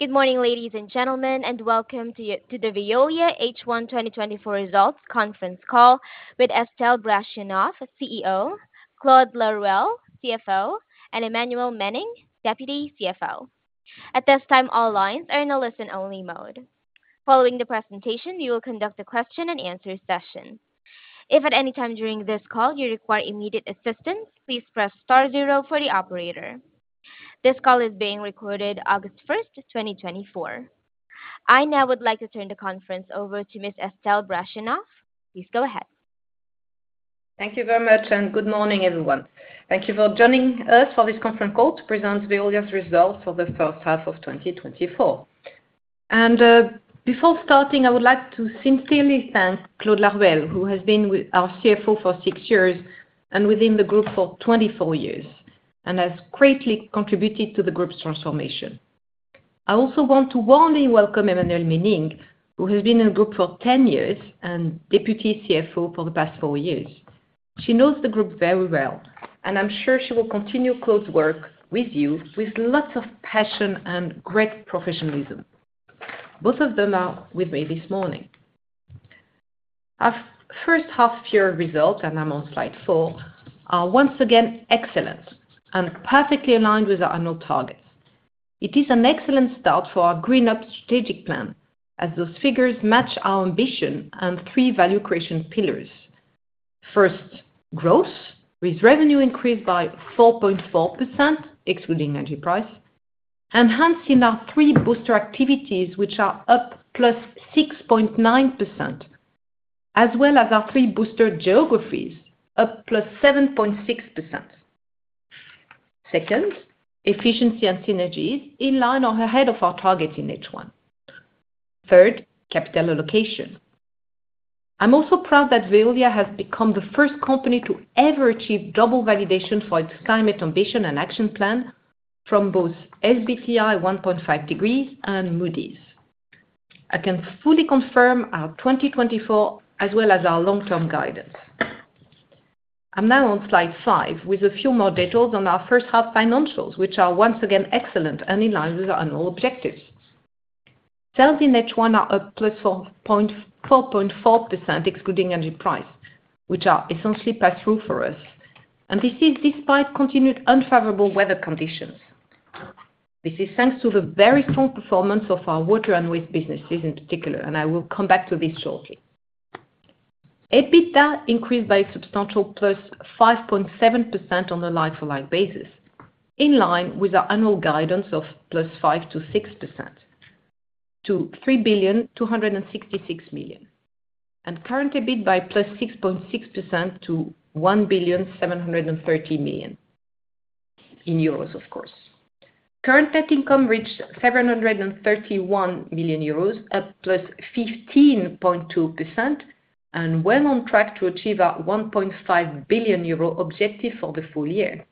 Good morning, ladies and gentlemen, and welcome to the Veolia H1 2024 Results Conference Call with Estelle Brachlianoff, CEO; Claude Laruelle, CFO; and Emmanuelle Menning, Deputy CFO. At this time, all lines are in a listen-only mode. Following the presentation, we will conduct a question-and-answer session. If at any time during this call you require immediate assistance, please press star zero for the operator. This call is being recorded August 1st, 2024. I now would like to turn the conference over to Ms. Estelle Brachlianoff. Please go ahead. Thank you very much, and good morning, everyone. Thank you for joining us for this conference call to present Veolia's results for the first half of 2024. And before starting, I would like to sincerely thank Claude Laruelle, who has been our CFO for sixyears and within the group for 24 years, and has greatly contributed to the group's transformation. I also want to warmly welcome Emmanuelle Menning, who has been in the group for 10 years and Deputy CFO for the past four years. She knows the group very well, and I'm sure she will continue Claude's work with you with lots of passion and great professionalism. Both of them are with me this morning. Our first half-year results, and I'm on slide four, are once again excellent and perfectly aligned with our annual targets. It is an excellent start for our GreenUp strategic plan, as those figures match our ambition and three value creation pillars. First, growth, with revenue increased by 4.4%, excluding energy price, enhancing our three booster activities, which are up 6.9%, as well as our three booster geographies, up 7.6%. Second, efficiency and synergies in line or ahead of our target in H1. Third, capital allocation. I'm also proud that Veolia has become the first company to ever achieve double validation for its climate ambition and action plan from both SBTi 1.5 degrees and Moody's. I can fully confirm our 2024, as well as our long-term guidance. I'm now on slide five with a few more details on our first half financials, which are once again excellent and in line with our annual objectives. Sales in H1 are up +4.4%, excluding energy price, which are essentially pass-through for us. This is despite continued unfavorable weather conditions. This is thanks to the very strong performance of our water and waste businesses in particular, and I will come back to this shortly. EBITDA increased by a substantial +5.7% on a like-for-like basis, in line with our annual guidance of +5% to +6% to EUR 3.266 billion, and current EBIT by +6.6% to 1.73 billion, of course. Current net income reached 731 million euros, up +15.2%, and well on track to achieve our 1.5 billion euro objective for the full year.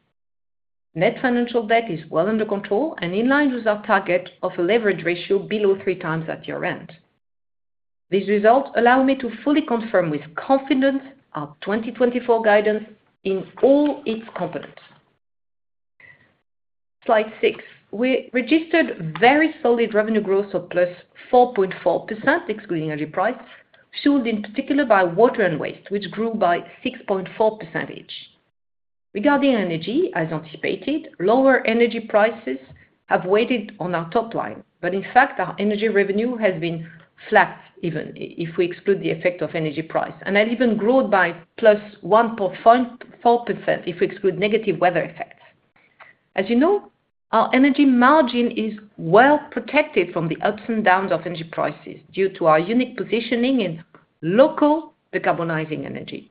Net financial debt is well under control and in line with our target of a leverage ratio below three times at year-end. These results allow me to fully confirm with confidence our 2024 guidance in all its components. Slide six. We registered very solid revenue growth of +4.4%, excluding energy price, fueled in particular by water and waste, which grew by 6.4% each. Regarding energy, as anticipated, lower energy prices have weighed on our top line, but in fact, our energy revenue has been flat, even if we exclude the effect of energy price, and has even grown by +1.4% if we exclude negative weather effects. As you know, our energy margin is well protected from the ups and downs of energy prices due to our unique positioning in local decarbonizing energy.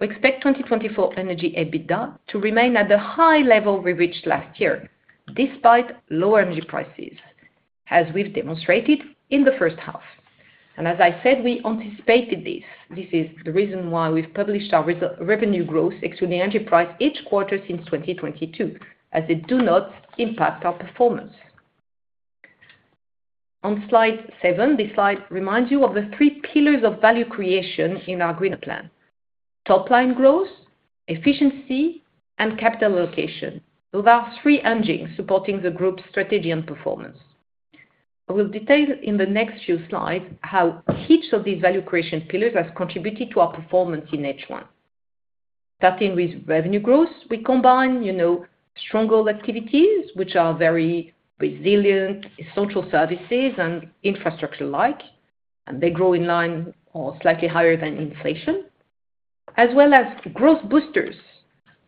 We expect 2024 energy EBITDA to remain at the high level we reached last year, despite lower energy prices, as we've demonstrated in the first half. As I said, we anticipated this. This is the reason why we've published our revenue growth, excluding energy price, each quarter since 2022, as it does not impact our performance. On slide seven, this slide reminds you of the three pillars of value creation in our GreenUp plan: top line growth, efficiency, and capital allocation, with our three engines supporting the group's strategy and performance. I will detail in the next few slides how each of these value creation pillars has contributed to our performance in H1. Starting with revenue growth, we combine stronger activities, which are very resilient social services and infrastructure-like, and they grow in line or slightly higher than inflation, as well as growth boosters,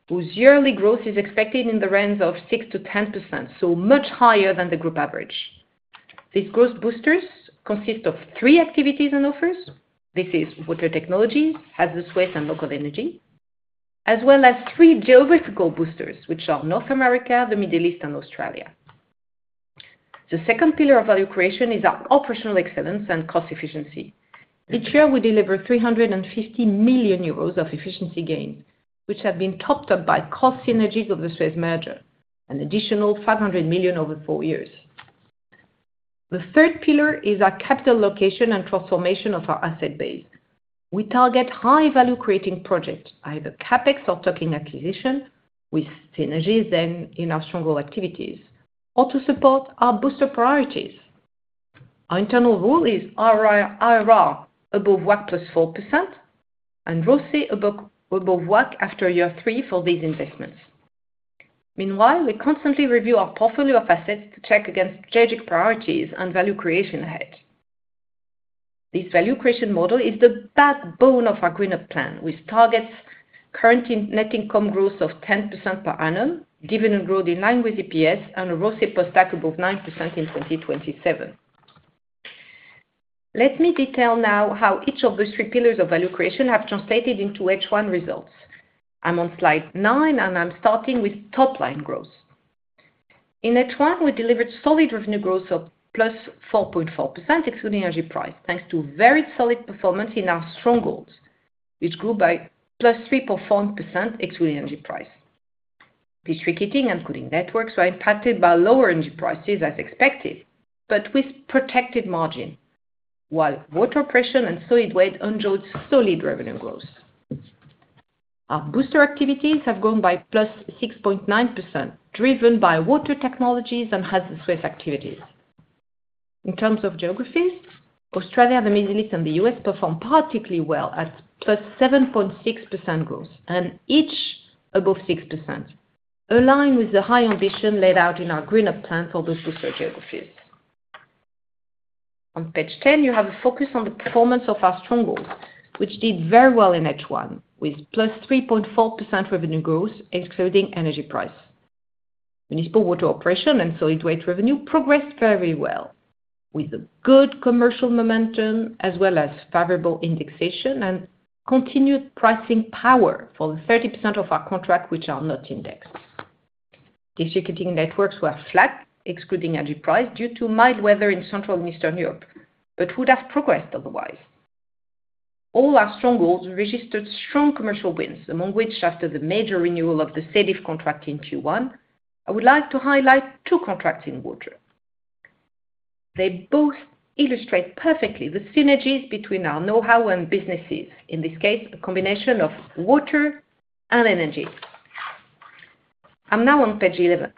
whose yearly growth is expected in the range of 6%-10%, so much higher than the group average. These growth boosters consist of three activities and offers. This is water technologies, hazardous waste, and local energy, as well as three geographical boosters, which are North America, the Middle East, and Australia. The second pillar of value creation is our operational excellence and cost efficiency. Each year, we deliver 350 million euros of efficiency gains, which have been topped up by cost synergies of the Suez merger, an additional 500 million over four years. The third pillar is our capital allocation and transformation of our asset base. We target high-value creating projects, either CapEx or target acquisition, with synergies then in our stronger activities, or to support our booster priorities. Our internal rule is IRR above WACC +4% and ROCE above WACC after year three for these investments. Meanwhile, we constantly review our portfolio of assets to check against strategic priorities and value creation ahead. This value creation model is the backbone of our GreenUp plan, which targets current net income growth of 10% per annum, dividend growth in line with EPS, and a ROCE per share above 9% in 2027. Let me detail now how each of those three pillars of value creation have translated into H1 results. I'm on slide nine, and I'm starting with top line growth. In H1, we delivered solid revenue growth of +4.4%, excluding energy price, thanks to very solid performance in our strongholds, which grew by +3.4%, excluding energy price. District heating and cooling networks were impacted by lower energy prices, as expected, but with protected margin, while water operations and solid waste enjoyed solid revenue growth. Our booster activities have grown by +6.9%, driven by water technologies and hazardous waste activities. In terms of geographies, Australia, the Middle East, and the U.S. performed particularly well at +7.6% growth and each above 6%, aligned with the high ambition laid out in our GreenUp plan for those booster geographies. On page 10, you have a focus on the performance of our strongholds, which did very well in H1, with +3.4% revenue growth, excluding energy price. Municipal water operation and solid waste revenue progressed very well, with good commercial momentum as well as favorable indexation and continued pricing power for the 30% of our contract, which are not indexed. Distribution networks were flat, excluding energy price due to mild weather in central and eastern Europe, but would have progressed otherwise. All our strongholds registered strong commercial wins, among which, after the major renewal of the SEDIF contract in Q1, I would like to highlight two contracts in water. They both illustrate perfectly the synergies between our know-how and businesses, in this case, a combination of water and energy. I'm now on page 11.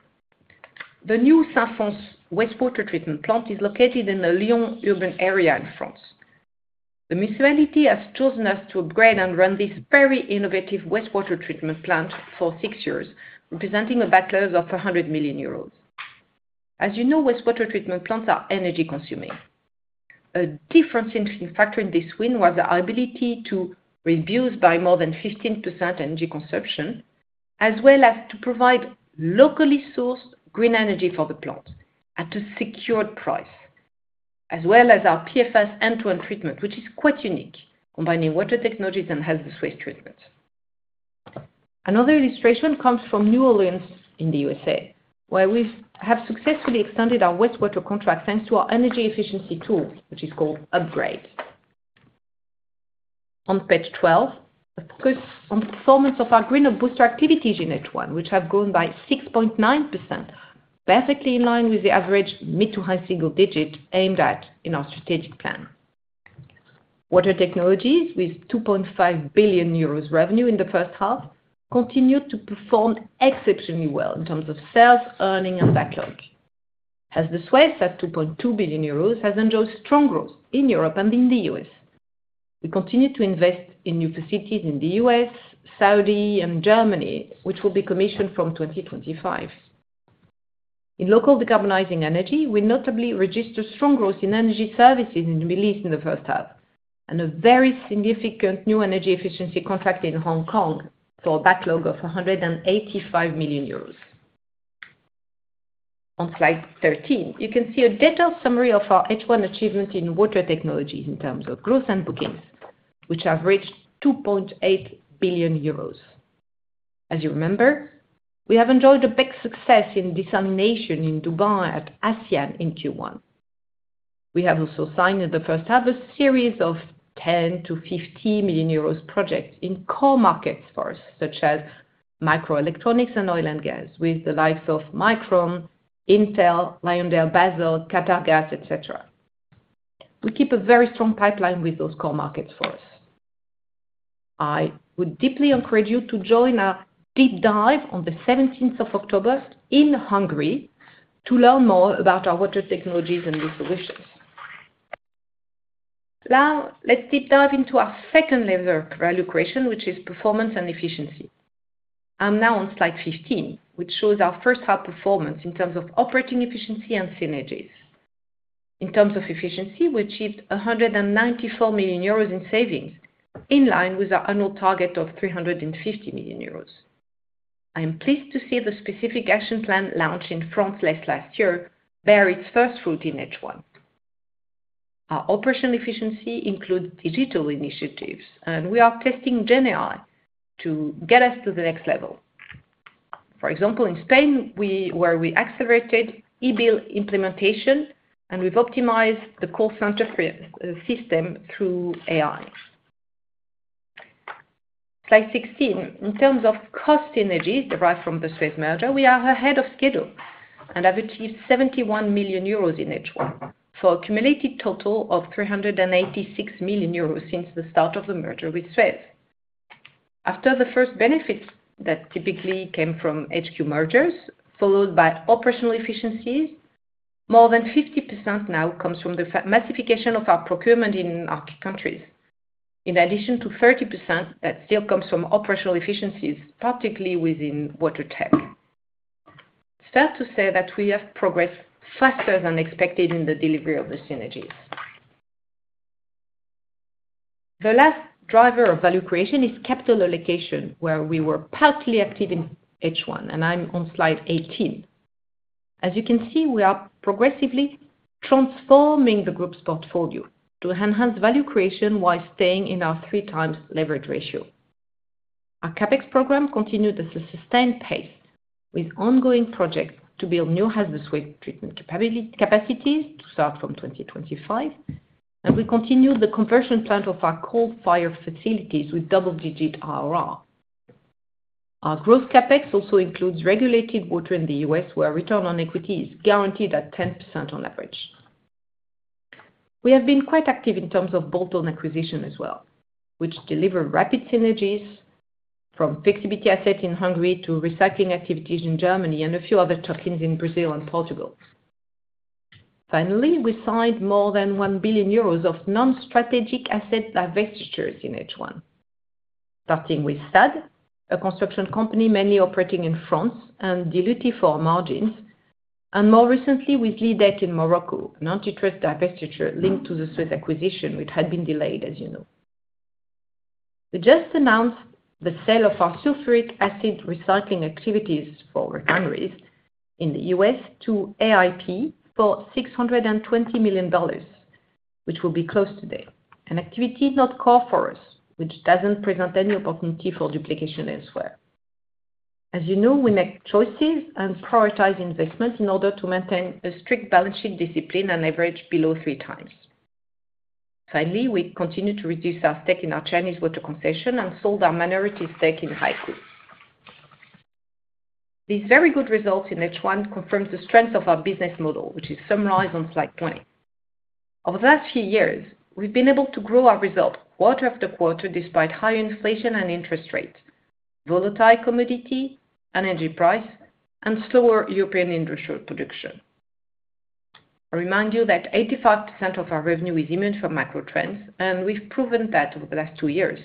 The new Saint-Fons wastewater treatment plant is located in the Lyon urban area in France. The municipality has chosen us to upgrade and run this very innovative wastewater treatment plant for six years, representing a backlog of 100 million euros. As you know, wastewater treatment plants are energy-consuming. A differentiating factor in this win was our ability to reduce by more than 15% energy consumption, as well as to provide locally sourced green energy for the plant at a secured price, as well as our PFAS end-to-end treatment, which is quite unique, combining water technologies and hazardous waste treatment. Another illustration comes from New Orleans in the USA, where we have successfully extended our wastewater contract thanks to our energy efficiency tool, which is called Hubgrade. On page 12, a focus on performance of our GreenUp booster activities in H1, which have grown by 6.9%, perfectly in line with the average mid to high single digit aimed at in our strategic plan. Water technologies, with 2.5 billion euros revenue in the first half, continued to perform exceptionally well in terms of sales, earnings, and backlog. Hazardous waste, at 2.2 billion euros, has enjoyed strong growth in Europe and in the U.S. We continue to invest in new facilities in the U.S., Saudi, and Germany, which will be commissioned from 2025. In local decarbonizing energy, we notably registered strong growth in energy services in the Middle East in the first half and a very significant new energy efficiency contract in Hong Kong for a backlog of 185 million euros. On slide 13, you can see a detailed summary of our H1 achievement in water technologies in terms of growth and bookings, which have reached 2.8 billion euros. As you remember, we have enjoyed a big success in desalination in Dubai at Hassyan in Q1. We have also signed in the first half a series of 10 million-15 million euros projects in core markets for us, such as microelectronics and oil and gas, with the likes of Micron, Intel, LyondellBasell, Qatargas, etc. We keep a very strong pipeline with those core markets for us. I would deeply encourage you to join our deep dive on the 17th of October in Hungary to learn more about our water technologies and these solutions. Now, let's deep dive into our second level of value creation, which is performance and efficiency. I'm now on slide 15, which shows our first half performance in terms of operating efficiency and synergies. In terms of efficiency, we achieved 194 million euros in savings, in line with our annual target of 350 million euros. I am pleased to see the specific action plan launched in France last year bear its first fruit in H1. Our operational efficiency includes digital initiatives, and we are testing GenAI to get us to the next level. For example, in Spain, where we accelerated e-bill implementation, and we've optimized the call center system through AI. Slide 16. In terms of cost synergies derived from the Suez merger, we are ahead of schedule and have achieved 71 million euros in H1 for an accumulated total of 386 million euros since the start of the merger with Suez. After the first benefits that typically came from HQ mergers, followed by operational efficiencies, more than 50% now comes from the massification of our procurement in our countries, in addition to 30% that still comes from operational efficiencies, particularly within water tech. It's fair to say that we have progressed faster than expected in the delivery of the synergies. The last driver of value creation is capital allocation, where we were partly active in H1, and I'm on slide 18. As you can see, we are progressively transforming the group's portfolio to enhance value creation while staying in our three-times leverage ratio. Our CapEx program continued at a sustained pace, with ongoing projects to build new hazardous waste treatment capacities to start from 2025, and we continued the conversion plan of our coal-fired facilities with double-digit ROR. Our growth CapEx also includes regulated water in the U.S., where return on equity is guaranteed at 10% on average. We have been quite active in terms of bolt-on acquisition as well, which delivered rapid synergies from flexibility assets in Hungary to recycling activities in Germany and a few other tuck-ins in Brazil and Portugal. Finally, we signed more than 1 billion euros of non-strategic asset divestitures in H1, starting with SADE, a construction company mainly operating in France and diluted for our margins, and more recently with Lydec in Morocco, an antitrust divestiture linked to the Suez acquisition, which had been delayed, as you know. We just announced the sale of our sulfuric acid recycling activities for refineries in the U.S. to AIP for $620 million, which will be closed today, an activity not core for us, which doesn't present any opportunity for duplication elsewhere. As you know, we make choices and prioritize investment in order to maintain a strict balance sheet discipline and average below three times. Finally, we continue to reduce our stake in our Chinese water concession and sold our minority stake in Haikou. These very good results in H1 confirm the strength of our business model, which is summarized on slide 20. Over the last few years, we've been able to grow our result quarter after quarter despite high inflation and interest rates, volatile commodity energy price, and slower European industrial production. I remind you that 85% of our revenue is immune from microtrends, and we've proven that over the last two years,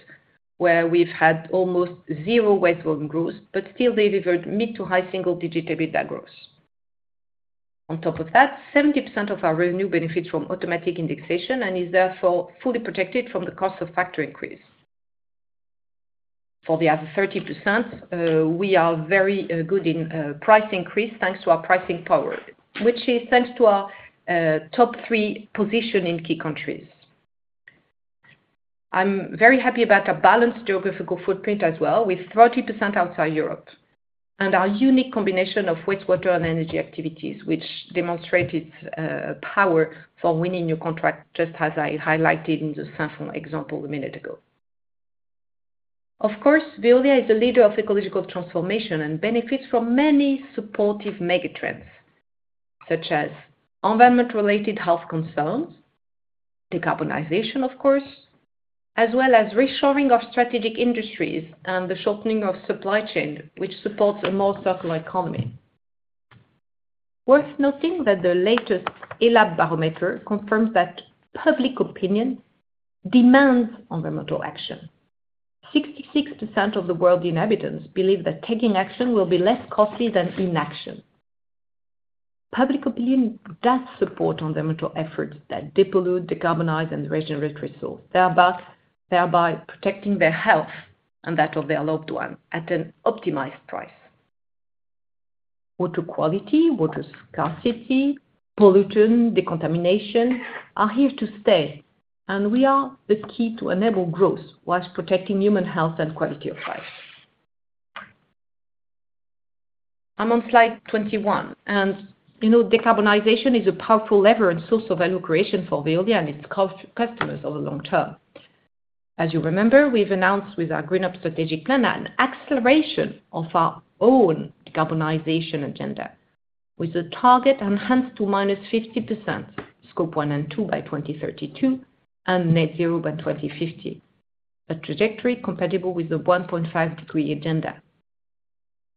where we've had almost zero waste volume growth, but still delivered mid to high single digit EBITDA growth. On top of that, 70% of our revenue benefits from automatic indexation and is therefore fully protected from the cost of factor increase. For the other 30%, we are very good in price increase thanks to our pricing power, which is thanks to our top three position in key countries. I'm very happy about our balanced geographical footprint as well, with 30% outside Europe and our unique combination of wastewater and energy activities, which demonstrated power for winning new contracts, just as I highlighted in the Saint-Fons example a minute ago. Of course, Veolia is a leader of ecological transformation and benefits from many supportive megatrends, such as environment-related health concerns, decarbonization, of course, as well as reshoring of strategic industries and the shortening of supply chain, which supports a more circular economy. Worth noting that the latest Elabe barometer confirms that public opinion demands environmental action. 66% of the world's inhabitants believe that taking action will be less costly than inaction. Public opinion does support environmental efforts that depollute, decarbonize, and regenerate resources, thereby protecting their health and that of their loved ones at an optimized price. Water quality, water scarcity, pollutants, decontamination are here to stay, and we are the key to enable growth whilst protecting human health and quality of life. I'm on slide 21, and you know decarbonization is a powerful lever and source of value creation for Veolia and its customers over the long term. As you remember, we've announced with our GreenUp strategic plan an acceleration of our own decarbonization agenda, with a target enhanced to -50%, scope one and two by 2032 and net zero by 2050, a trajectory compatible with the 1.5-degree agenda.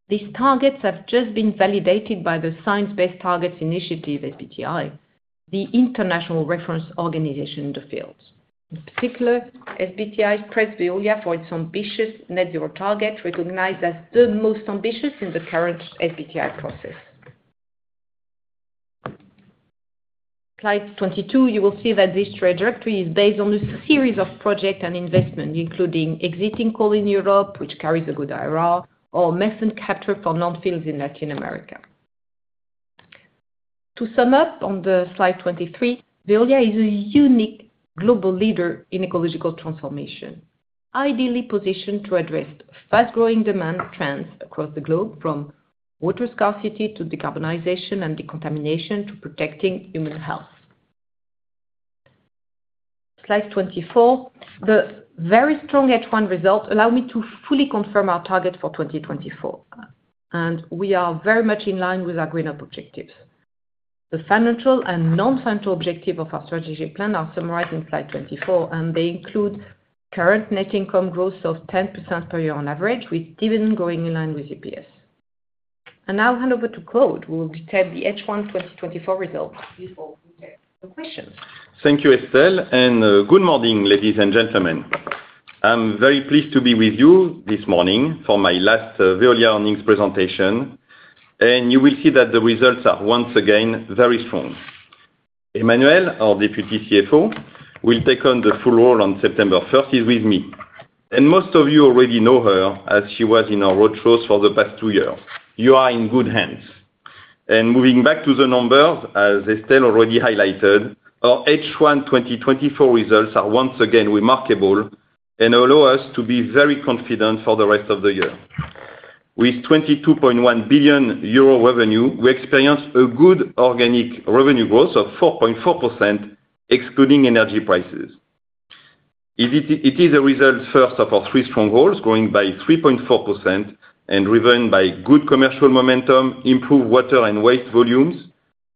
These targets have just been validated by the Science Based Targets initiative, SBTi, the international reference organization in the fields. In particular, SBTi praised Veolia for its ambitious net zero target, recognized as the most ambitious in the current SBTi process. Slide 22, you will see that this trajectory is based on a series of projects and investments, including exiting coal in Europe, which carries a good IRR, or methane capture for non-fuels in Latin America. To sum up on Slide 23, Veolia is a unique global leader in ecological transformation, ideally positioned to address fast-growing demand trends across the globe, from water scarcity to decarbonization and decontamination to protecting human health. Slide 24, the very strong H1 result allowed me to fully confirm our target for 2024, and we are very much in line with our GreenUp objectives. The financial and non-financial objectives of our strategic plan are summarized in Slide 24, and they include current net income growth of 10% per year on average, with dividend growing in line with EPS. And now I'll hand over to Claude, who will detail the H1 2024 results before we take the questions. Thank you, Estelle, and good morning, ladies and gentlemen. I'm very pleased to be with you this morning for my last Veolia Earnings presentation, and you will see that the results are once again very strong. Emmanuelle, our Deputy CFO, will take on the full role on September 1st, is with me. Most of you already know her as she was in our roadshows for the past two years. You are in good hands. Moving back to the numbers, as Estelle already highlighted, our H1 2024 results are once again remarkable and allow us to be very confident for the rest of the year. With 22.1 billion euro revenue, we experience a good organic revenue growth of 4.4%, excluding energy prices. It is a result first of our three strongholds, growing by 3.4% and driven by good commercial momentum, improved water and waste volumes,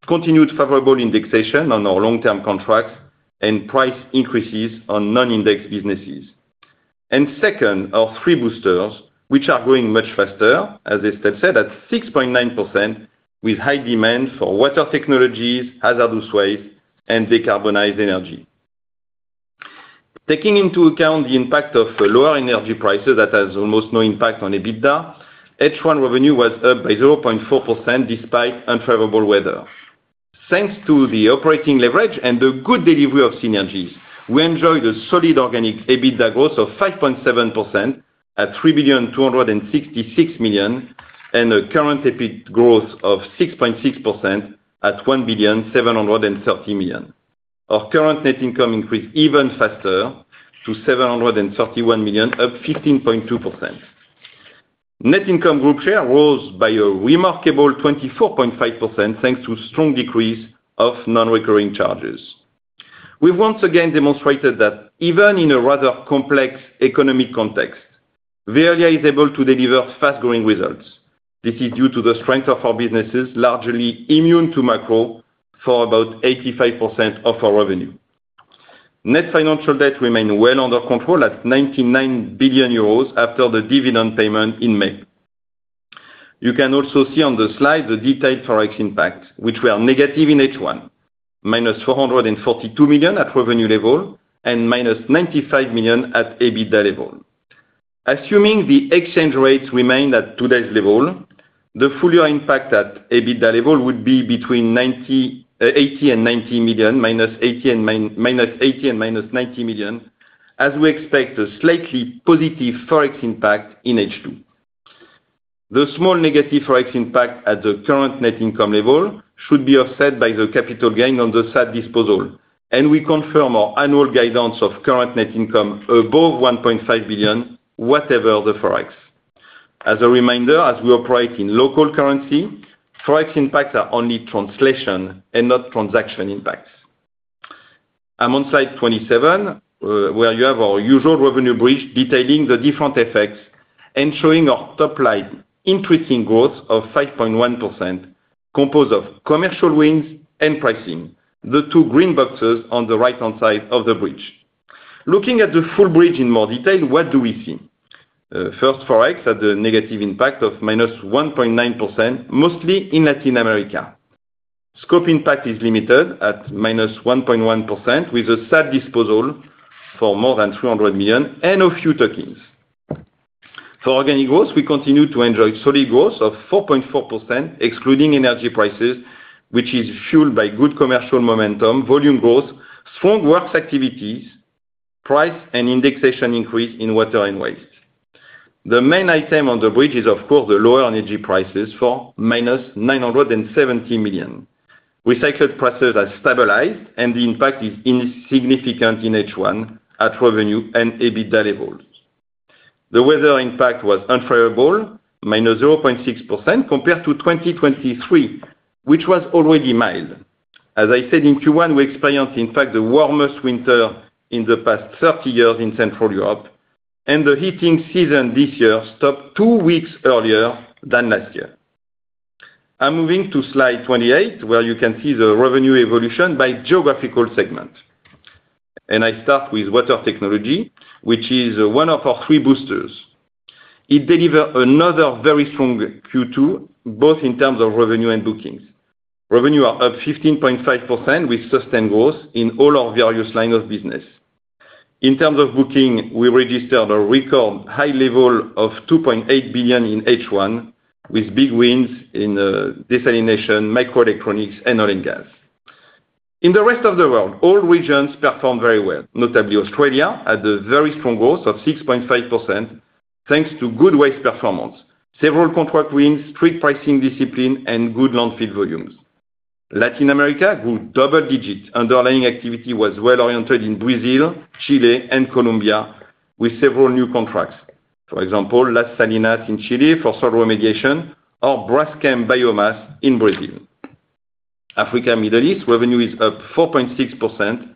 continued favorable indexation on our long-term contracts, and price increases on non-indexed businesses. And second, our three boosters, which are growing much faster, as Estelle said, at 6.9%, with high demand for water technologies, hazardous waste, and decarbonized energy. Taking into account the impact of lower energy prices that has almost no impact on EBITDA, H1 revenue was up by 0.4% despite unfavorable weather. Thanks to the operating leverage and the good delivery of synergies, we enjoyed a solid organic EBITDA growth of 5.7% at 3,266 million and a current EBIT growth of 6.6% at 1,730 million. Our current net income increased even faster to 731 million, up 15.2%. Net income group share rose by a remarkable 24.5% thanks to a strong decrease of non-recurring charges. We've once again demonstrated that even in a rather complex economic context, Veolia is able to deliver fast-growing results. This is due to the strength of our businesses, largely immune to macro for about 85% of our revenue. Net financial debt remained well under control at 99 billion euros after the dividend payment in May. You can also see on the slide the detailed Forex impacts, which were negative in H1, -442 million at revenue level and -95 million at EBITDA level. Assuming the exchange rates remain at today's level, the full year impact at EBITDA level would be between 80 and 90 million, -80 and -80 and -90 million, as we expect a slightly positive Forex impact in H2. The small negative Forex impact at the current net income level should be offset by the capital gain on the SADE disposal, and we confirm our annual guidance of current net income above 1.5 billion, whatever the Forex. As a reminder, as we operate in local currency, Forex impacts are only translation and not transaction impacts. I'm on slide 27, where you have our usual revenue bridge detailing the different effects and showing our top line interesting growth of 5.1%, composed of commercial wins and pricing, the two green boxes on the right-hand side of the bridge. Looking at the full bridge in more detail, what do we see? First, Forex at the negative impact of -1.9%, mostly in Latin America. Scope impact is limited at -1.1% with a SADE disposal for more than 300 million and a few tuck-ins. For organic growth, we continue to enjoy solid growth of 4.4%, excluding energy prices, which is fueled by good commercial momentum, volume growth, strong works activities, price and indexation increase in water and waste. The main item on the bridge is, of course, the lower energy prices for -970 million. Recyclate prices are stabilized, and the impact is insignificant in H1 at revenue and EBITDA levels. The weather impact was unfavorable, -0.6% compared to 2023, which was already mild. As I said in Q1, we experienced, in fact, the warmest winter in the past 30 years in Central Europe, and the heating season this year stopped two weeks earlier than last year. I'm moving to slide 28, where you can see the revenue evolution by geographical segment. I start with water technology, which is one of our three boosters. It delivers another very strong Q2, both in terms of revenue and bookings. Revenue is up 15.5% with sustained growth in all our various lines of business. In terms of booking, we registered a record high level of 2.8 billion in H1, with big wins in desalination, microelectronics, and oil and gas. In the rest of the world, all regions performed very well, notably Australia had a very strong growth of 6.5% thanks to good waste performance, several contract wins, strict pricing discipline, and good non-fuel volumes. Latin America grew double digits. Underlying activity was well oriented in Brazil, Chile, and Colombia, with several new contracts, for example, Las Salinas in Chile for solar remediation or Braskem Biomass in Brazil. Africa and the Middle East revenue is up 4.6%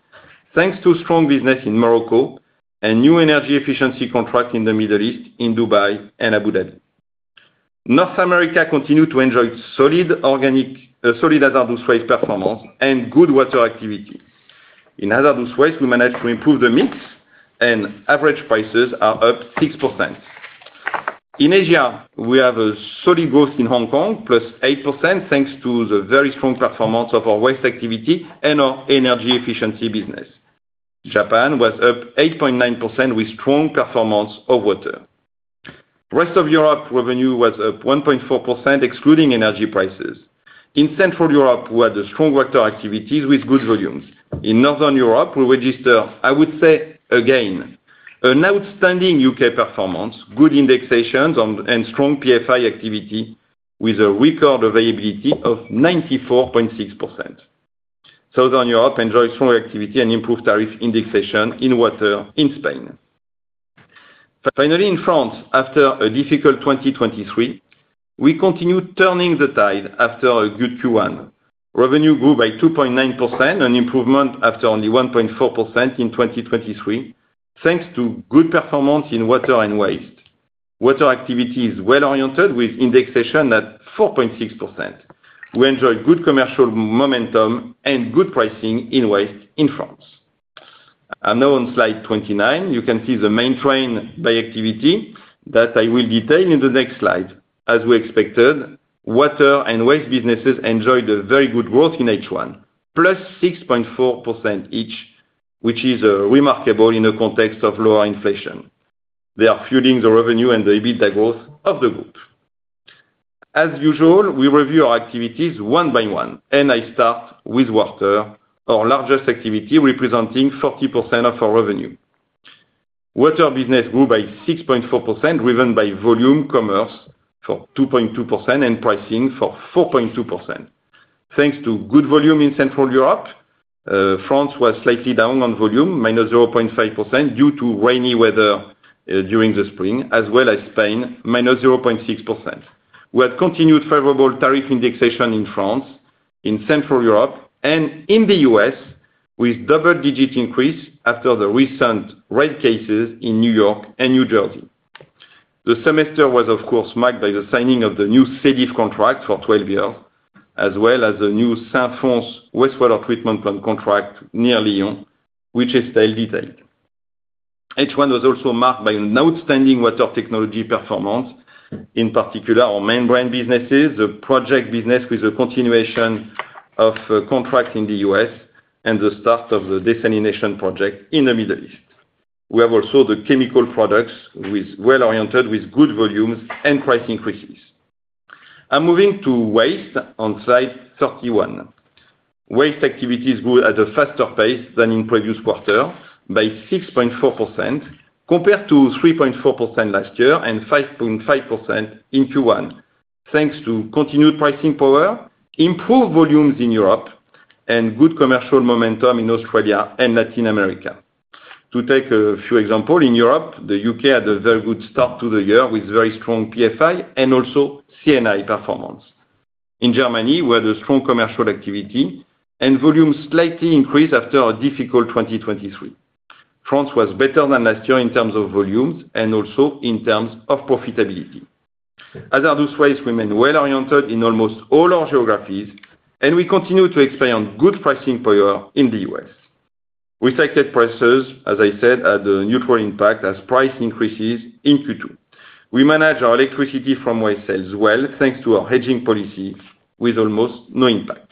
thanks to strong business in Morocco and new energy efficiency contracts in the Middle East in Dubai and Abu Dhabi. North America continued to enjoy solid organic, solid hazardous waste performance and good water activity. In hazardous waste, we managed to improve the mix, and average prices are up 6%. In Asia, we have a solid growth in Hong Kong, +8% thanks to the very strong performance of our waste activity and our energy efficiency business. Japan was up 8.9% with strong performance of water. Rest of Europe revenue was up 1.4%, excluding energy prices. In Central Europe, we had strong reactor activities with good volumes. In Northern Europe, we register, I would say, again, an outstanding U.K. performance, good indexations, and strong PFI activity with a record availability of 94.6%. Southern Europe enjoys strong activity and improved tariff indexation in water in Spain. Finally, in France, after a difficult 2023, we continue turning the tide after a good Q1. Revenue grew by 2.9%, an improvement after only 1.4% in 2023, thanks to good performance in water and waste. Water activity is well oriented with indexation at 4.6%. We enjoy good commercial momentum and good pricing in waste in France. I'm now on slide 29. You can see the main breakdown by activity that I will detail in the next slide. As we expected, water and waste businesses enjoyed a very good growth in H1, plus 6.4% each, which is remarkable in the context of lower inflation. They are fueling the revenue and the EBITDA growth of the group. As usual, we review our activities one by one, and I start with water, our largest activity representing 40% of our revenue. Water business grew by 6.4%, driven by volume commerce for 2.2% and pricing for 4.2%. Thanks to good volume in Central Europe, France was slightly down on volume, -0.5% due to rainy weather during the spring, as well as Spain, -0.6%. We had continued favorable tariff indexation in France, in Central Europe, and in the U.S., with double-digit increase after the recent rate cases in New York and New Jersey. The semester was, of course, marked by the signing of the new SEDIF contract for 12 years, as well as the new Saint-Fons Wastewater Treatment Plant contract near Lyon, which Estelle detailed. H1 was also marked by an outstanding water technology performance, in particular our main brand businesses, the project business with the continuation of contract in the US and the start of the desalination project in the Middle East. We have also the chemical products with well oriented, with good volumes and price increases. I'm moving to waste on slide 31. Waste activities grew at a faster pace than in previous quarter by 6.4%, compared to 3.4% last year and 5.5% in Q1, thanks to continued pricing power, improved volumes in Europe, and good commercial momentum in Australia and Latin America. To take a few examples, in Europe, the U.K. had a very good start to the year with very strong PFI and also CNI performance. In Germany, we had a strong commercial activity and volumes slightly increased after a difficult 2023. France was better than last year in terms of volumes and also in terms of profitability. Hazardous waste remained well oriented in almost all our geographies, and we continue to experience good pricing power in the U.S. recyclate prices, as I said, had a neutral impact as price increases in Q2. We manage our electricity from waste sales well thanks to our hedging policy with almost no impact.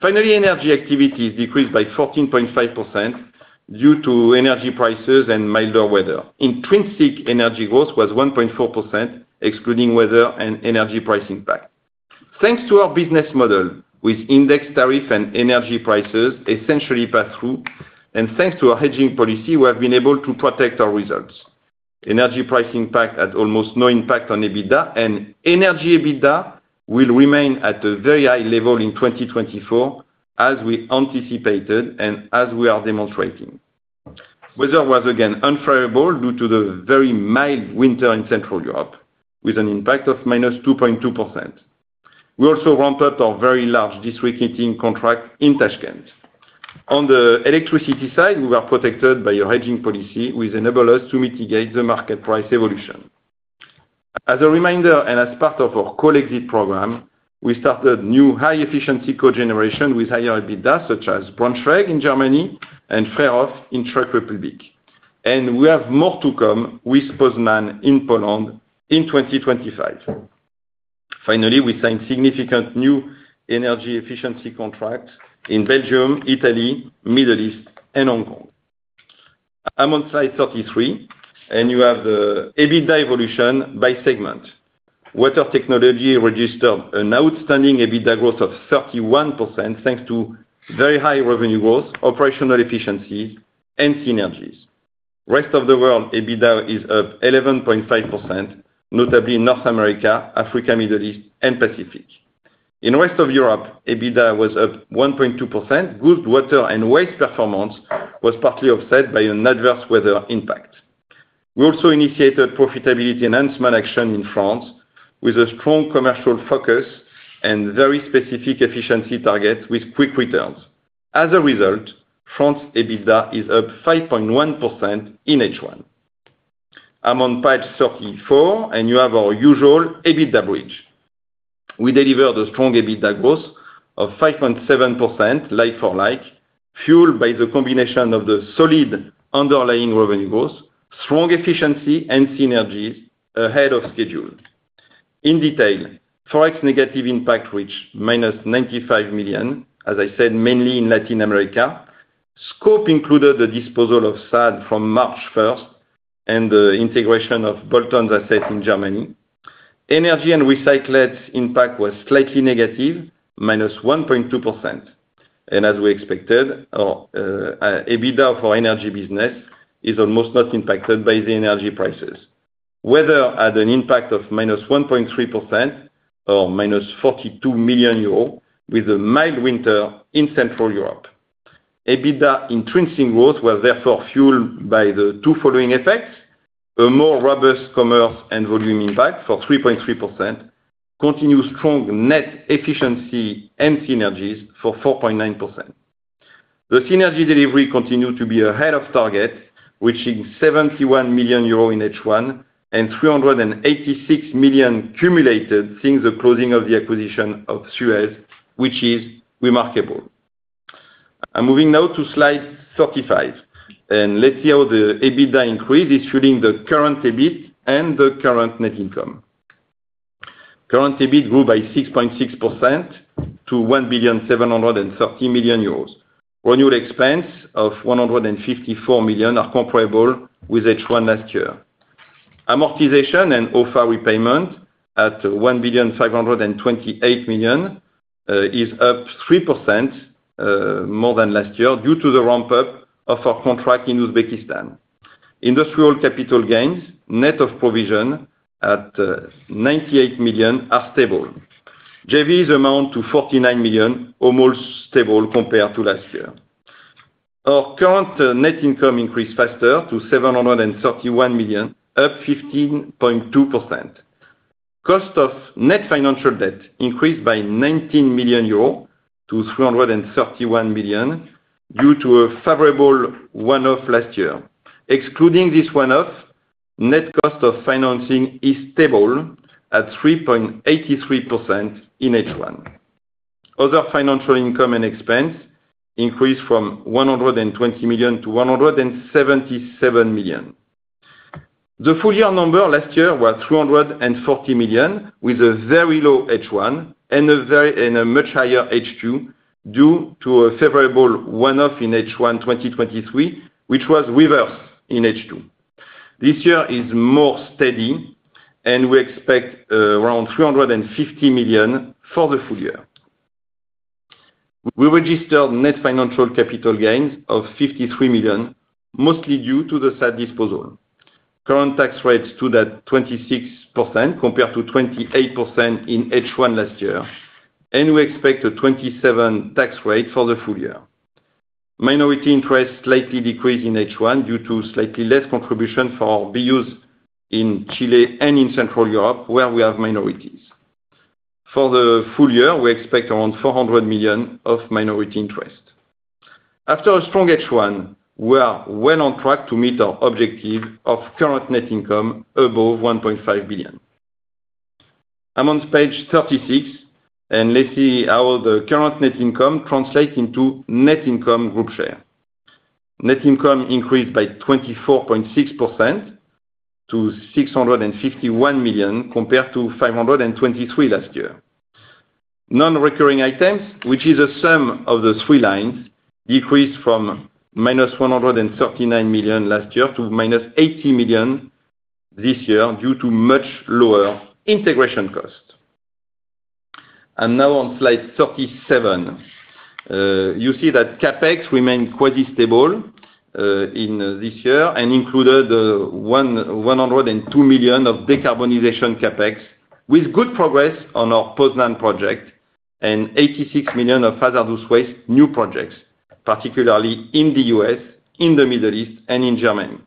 Finally, energy activity decreased by 14.5% due to energy prices and milder weather. Intrinsic energy growth was 1.4%, excluding weather and energy price impact. Thanks to our business model with index tariff and energy prices essentially passed through, and thanks to our hedging policy, we have been able to protect our results. Energy price impact had almost no impact on EBITDA, and energy EBITDA will remain at a very high level in 2024, as we anticipated and as we are demonstrating. Weather was again unfavorable due to the very mild winter in Central Europe, with an impact of -2.2%. We also ramped up our very large district heating contract in Tashkent. On the electricity side, we were protected by our hedging policy, which enabled us to mitigate the market price evolution. As a reminder, and as part of our coal exit program, we started new high-efficiency cogeneration with higher EBITDA, such as Braunschweig in Germany and Přerov in Czech Republic. We have more to come with Poznań in Poland in 2025. Finally, we signed significant new energy efficiency contracts in Belgium, Italy, the Middle East, and Hong Kong. I'm on slide 33, and you have the EBITDA evolution by segment. Water technology registered an outstanding EBITDA growth of 31% thanks to very high revenue growth, operational efficiencies, and synergies. Rest of the world, EBITDA is up 11.5%, notably in North America, Africa, Middle East, and Pacific. In the rest of Europe, EBITDA was up 1.2%. Good water and waste performance was partly offset by an adverse weather impact. We also initiated profitability enhancement action in France with a strong commercial focus and very specific efficiency targets with quick returns. As a result, France's EBITDA is up 5.1% in H1. I'm on page 34, and you have our usual EBITDA bridge. We delivered a strong EBITDA growth of 5.7% like-for-like, fueled by the combination of the solid underlying revenue growth, strong efficiency, and synergies ahead of schedule. In detail, Forex negative impact reached -95 million, as I said, mainly in Latin America. Scope included the disposal of SADE from March 1st and the integration of bolt-ons asset in Germany. Energy and recycled impact was slightly negative, -1.2%. And as we expected, our EBITDA for energy business is almost not impacted by the energy prices. Weather had an impact of -1.3% or minus 42 million euros with a mild winter in Central Europe. EBITDA intrinsic growth was therefore fueled by the two following effects: a more robust commerce and volume impact for 3.3%, continued strong net efficiency and synergies for 4.9%. The synergy delivery continued to be ahead of target, reaching 71 million euros in H1 and 386 million cumulated since the closing of the acquisition of Suez, which is remarkable. I'm moving now to slide 35, and let's see how the EBITDA increase is fueling the current EBIT and the current net income. Current EBIT grew by 6.6% to 1.73 billion. Renewal expense of 154 million are comparable with H1 last year. Amortization and OFA repayment at 1.528 billion is up 3% more than last year due to the ramp-up of our contract in Uzbekistan. Industrial capital gains, net of provision at 98 million, are stable. JVs amount to 49 million, almost stable compared to last year. Our current net income increased faster to 731 million, up 15.2%. Cost of net financial debt increased by 19 million-331 million euros due to a favorable one-off last year. Excluding this one-off, net cost of financing is stable at 3.83% in H1. Other financial income and expense increased from 120 million-177 million. The full year number last year was 340 million, with a very low H1 and a much higher H2 due to a favorable one-off in H1 2023, which was reversed in H2. This year is more steady, and we expect around 350 million for the full year. We registered net financial capital gains of 53 million, mostly due to the SADE disposal. Current tax rates to that 26% compared to 28% in H1 last year, and we expect a 27% tax rate for the full year. Minority interest slightly decreased in H1 due to slightly less contribution for our BUs in Chile and in Central Europe, where we have minorities. For the full year, we expect around 400 million of minority interest. After a strong H1, we are well on track to meet our objective of current net income above 1.5 billion. I'm on page 36, and let's see how the current net income translates into net income group share. Net income increased by 24.6% to 651 million compared to 523 million last year. Non-recurring items, which is a sum of the three lines, decreased from minus 139 million last year to minus 80 million this year due to much lower integration cost. I'm now on slide 37. You see that CapEx remained quite stable in this year and included the 102 million of decarbonization CapEx, with good progress on our Poznań project and 86 million of hazardous waste new projects, particularly in the U.S., in the Middle East, and in Germany.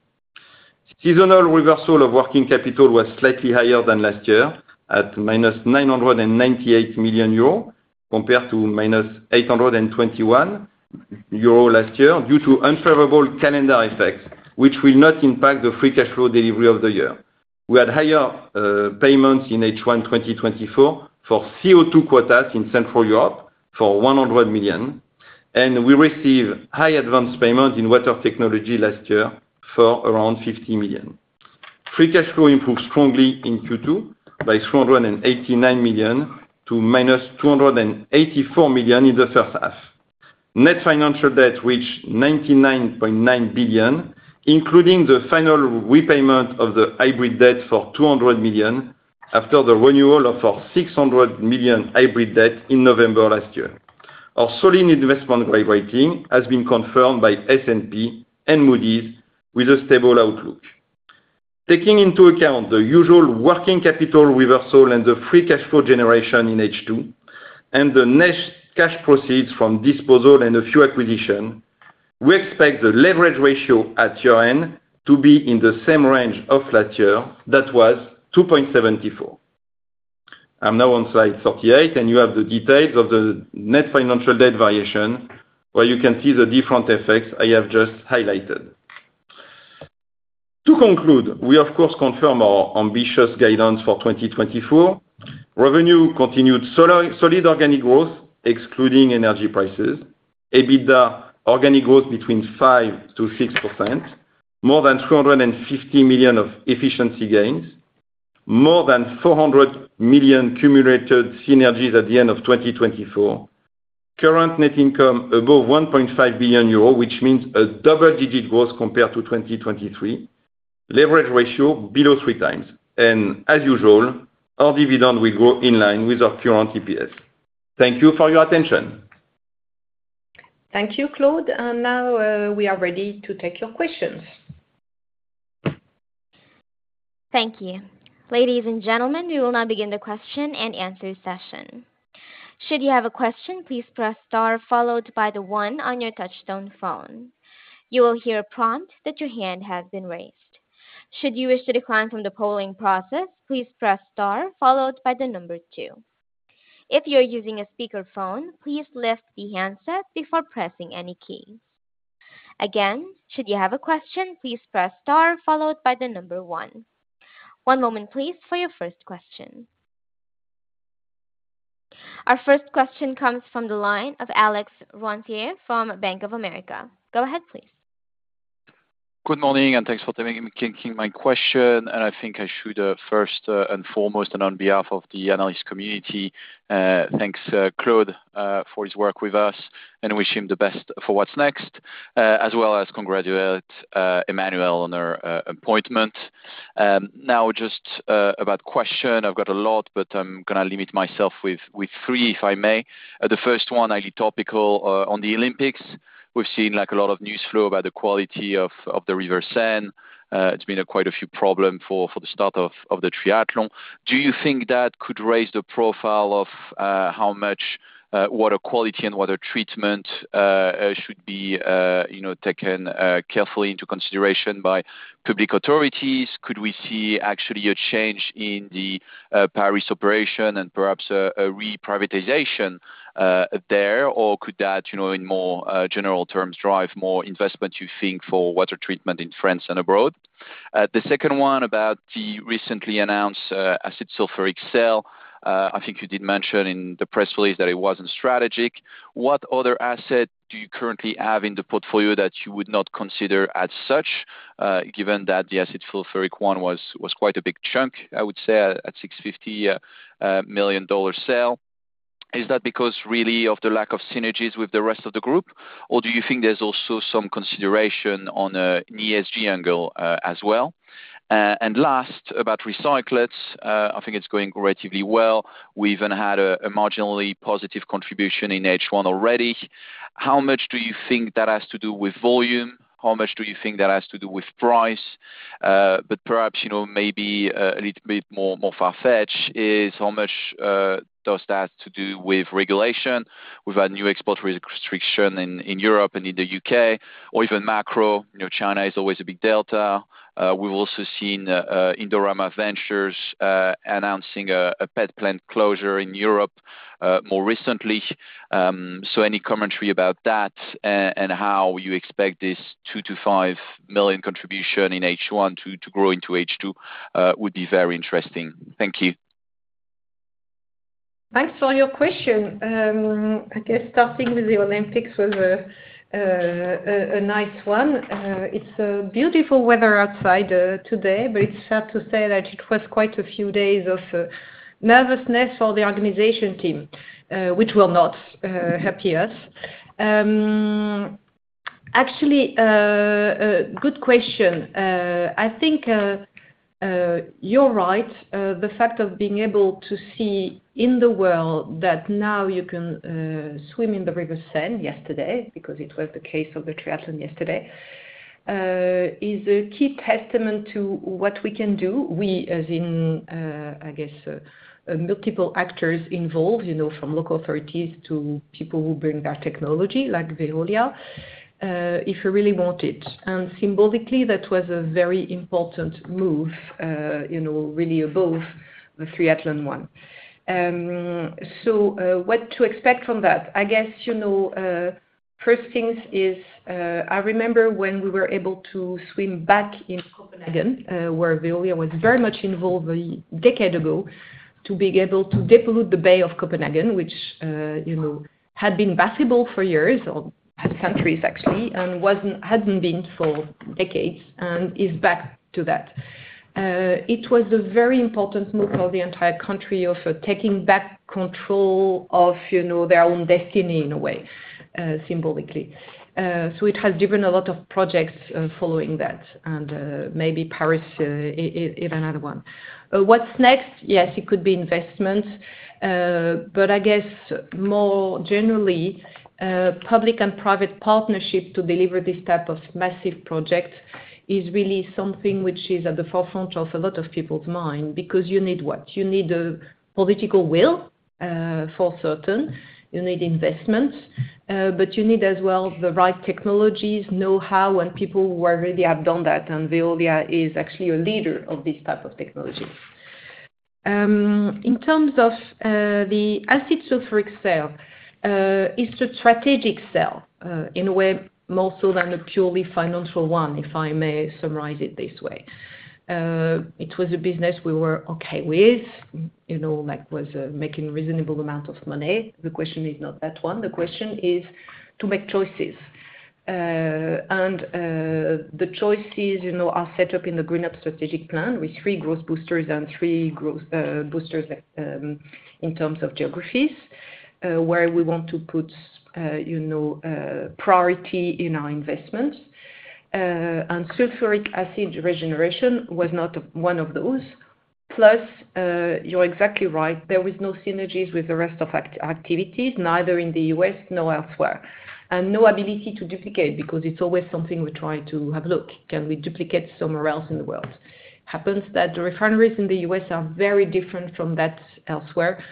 Seasonal reversal of working capital was slightly higher than last year at minus 998 million euros compared to minus 821 million euro last year due to unfavorable calendar effects, which will not impact the free cash flow delivery of the year. We had higher payments in H1 2024 for CO2 quotas in Central Europe for 100 million, and we received high advance payments in water technology last year for around 50 million. Free cash flow improved strongly in Q2 by 389 million to minus 284 million in the first half. Net financial debt reached 99.9 billion, including the final repayment of the hybrid debt for 200 million after the renewal of our 600 million hybrid debt in November last year. Our solid investment grade rating has been confirmed by S&P and Moody's with a stable outlook. Taking into account the usual working capital reversal and the free cash flow generation in H2, and the net cash proceeds from disposal and a few acquisitions, we expect the leverage ratio at year-end to be in the same range of last year that was 2.74. I'm now on slide 38, and you have the details of the net financial debt variation, where you can see the different effects I have just highlighted. To conclude, we, of course, confirm our ambitious guidance for 2024. Revenue continued solid organic growth, excluding energy prices. EBITDA organic growth between 5%-6%, more than 350 million of efficiency gains, more than 400 million cumulated synergies at the end of 2024. Current net income above 1.5 billion euro, which means a double-digit growth compared to 2023. Leverage ratio below three times. And as usual, our dividend will go in line with our current EPS. Thank you for your attention. Thank you, Claude. Now we are ready to take your questions. Thank you. Ladies and gentlemen, we will now begin the question and answer session. Should you have a question, please press star followed by the one on your touch-tone phone. You will hear a prompt that your hand has been raised. Should you wish to decline from the polling process, please press star followed by the number two. If you're using a speakerphone, please lift the handset before pressing any keys. Again, should you have a question, please press star followed by the number one. One moment, please, for your first question. Our first question comes from the line of Alex Gunter from Bank of America. Go ahead, please. Good morning, and thanks for taking my question. I think I should first and foremost, and on behalf of the analyst community, thank Claude for his work with us, and wish him the best for what's next, as well as congratulate Emmanuelle on her appointment. Now, just about question, I've got a lot, but I'm going to limit myself with three, if I may. The first one, highly topical on the Olympics. We've seen a lot of news flow about the quality of the River Seine. It's been quite a few problems for the start of the triathlon. Do you think that could raise the profile of how much water quality and water treatment should be taken carefully into consideration by public authorities? Could we see actually a change in the Paris operation and perhaps a reprivatization there, or could that, in more general terms, drive more investment, you think, for water treatment in France and abroad? The second one about the recently announced sulfuric acid sale, I think you did mention in the press release that it wasn't strategic. What other asset do you currently have in the portfolio that you would not consider as such, given that the sulfuric acid one was quite a big chunk, I would say, at $650 million sale? Is that because really of the lack of synergies with the rest of the group, or do you think there's also some consideration on an ESG angle as well? Last, about recyclates, I think it's going relatively well. We even had a marginally positive contribution in H1 already. How much do you think that has to do with volume? How much do you think that has to do with price? But perhaps maybe a little bit more far-fetched is how much does that have to do with regulation? We've had new export restrictions in Europe and in the U.K., or even macro. China is always a big delta. We've also seen Indorama Ventures announcing a PET plant closure in Europe more recently. So any commentary about that and how you expect this 2 million-5 million contribution in H1 to grow into H2 would be very interesting. Thank you. Thanks for your question. I guess starting with the Olympics was a nice one. It's beautiful weather outside today, but it's sad to say that it was quite a few days of nervousness for the organization team, which will not happy us. Actually, a good question. I think you're right. The fact of being able to see in the world that now you can swim in the River Seine yesterday, because it was the case of the triathlon yesterday, is a key testament to what we can do. We, as in, I guess, multiple actors involved, from local authorities to people who bring their technology, like Veolia, if you really want it. And symbolically, that was a very important move, really above the triathlon one. So what to expect from that? I guess first things is, I remember when we were able to swim back in Copenhagen, where Veolia was very much involved a decade ago, to be able to depollute the Bay of Copenhagen, which had been passable for years or had countries, actually, and hadn't been for decades, and is back to that. It was a very important move for the entire country of taking back control of their own destiny, in a way, symbolically. So it has driven a lot of projects following that, and maybe Paris is another one. What's next? Yes, it could be investment, but I guess more generally, public and private partnership to deliver this type of massive project is really something which is at the forefront of a lot of people's mind, because you need what? You need a political will, for certain. You need investment, but you need as well the right technologies, know-how, and people who already have done that, and Veolia is actually a leader of this type of technology. In terms of the acid sulfuric sale, it's a strategic sale in a way, more so than a purely financial one, if I may summarize it this way. It was a business we were okay with, that was making a reasonable amount of money. The question is not that one. The question is to make choices. The choices are set up in the GreenUp Strategic Plan with three growth boosters and three growth boosters in terms of geographies, where we want to put priority in our investments. Sulfuric acid regeneration was not one of those. Plus, you're exactly right. There were no synergies with the rest of activities, neither in the U.S. nor elsewhere. And no ability to duplicate, because it's always something we're trying to have a look. Can we duplicate somewhere else in the world? Happens that the refineries in the U.S. are very different from that elsewhere,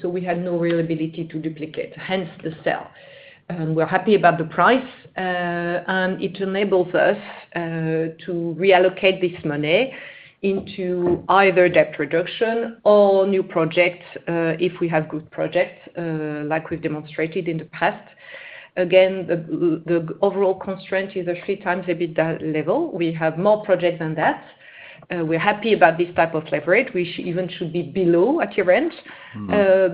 so we had no real ability to duplicate, hence the sale. We're happy about the price, and it enables us to reallocate this money into either debt reduction or new projects if we have good projects, like we've demonstrated in the past. Again, the overall constraint is a 3x EBITDA level. We have more projects than that. We're happy about this type of leverage, which even should be below at your end.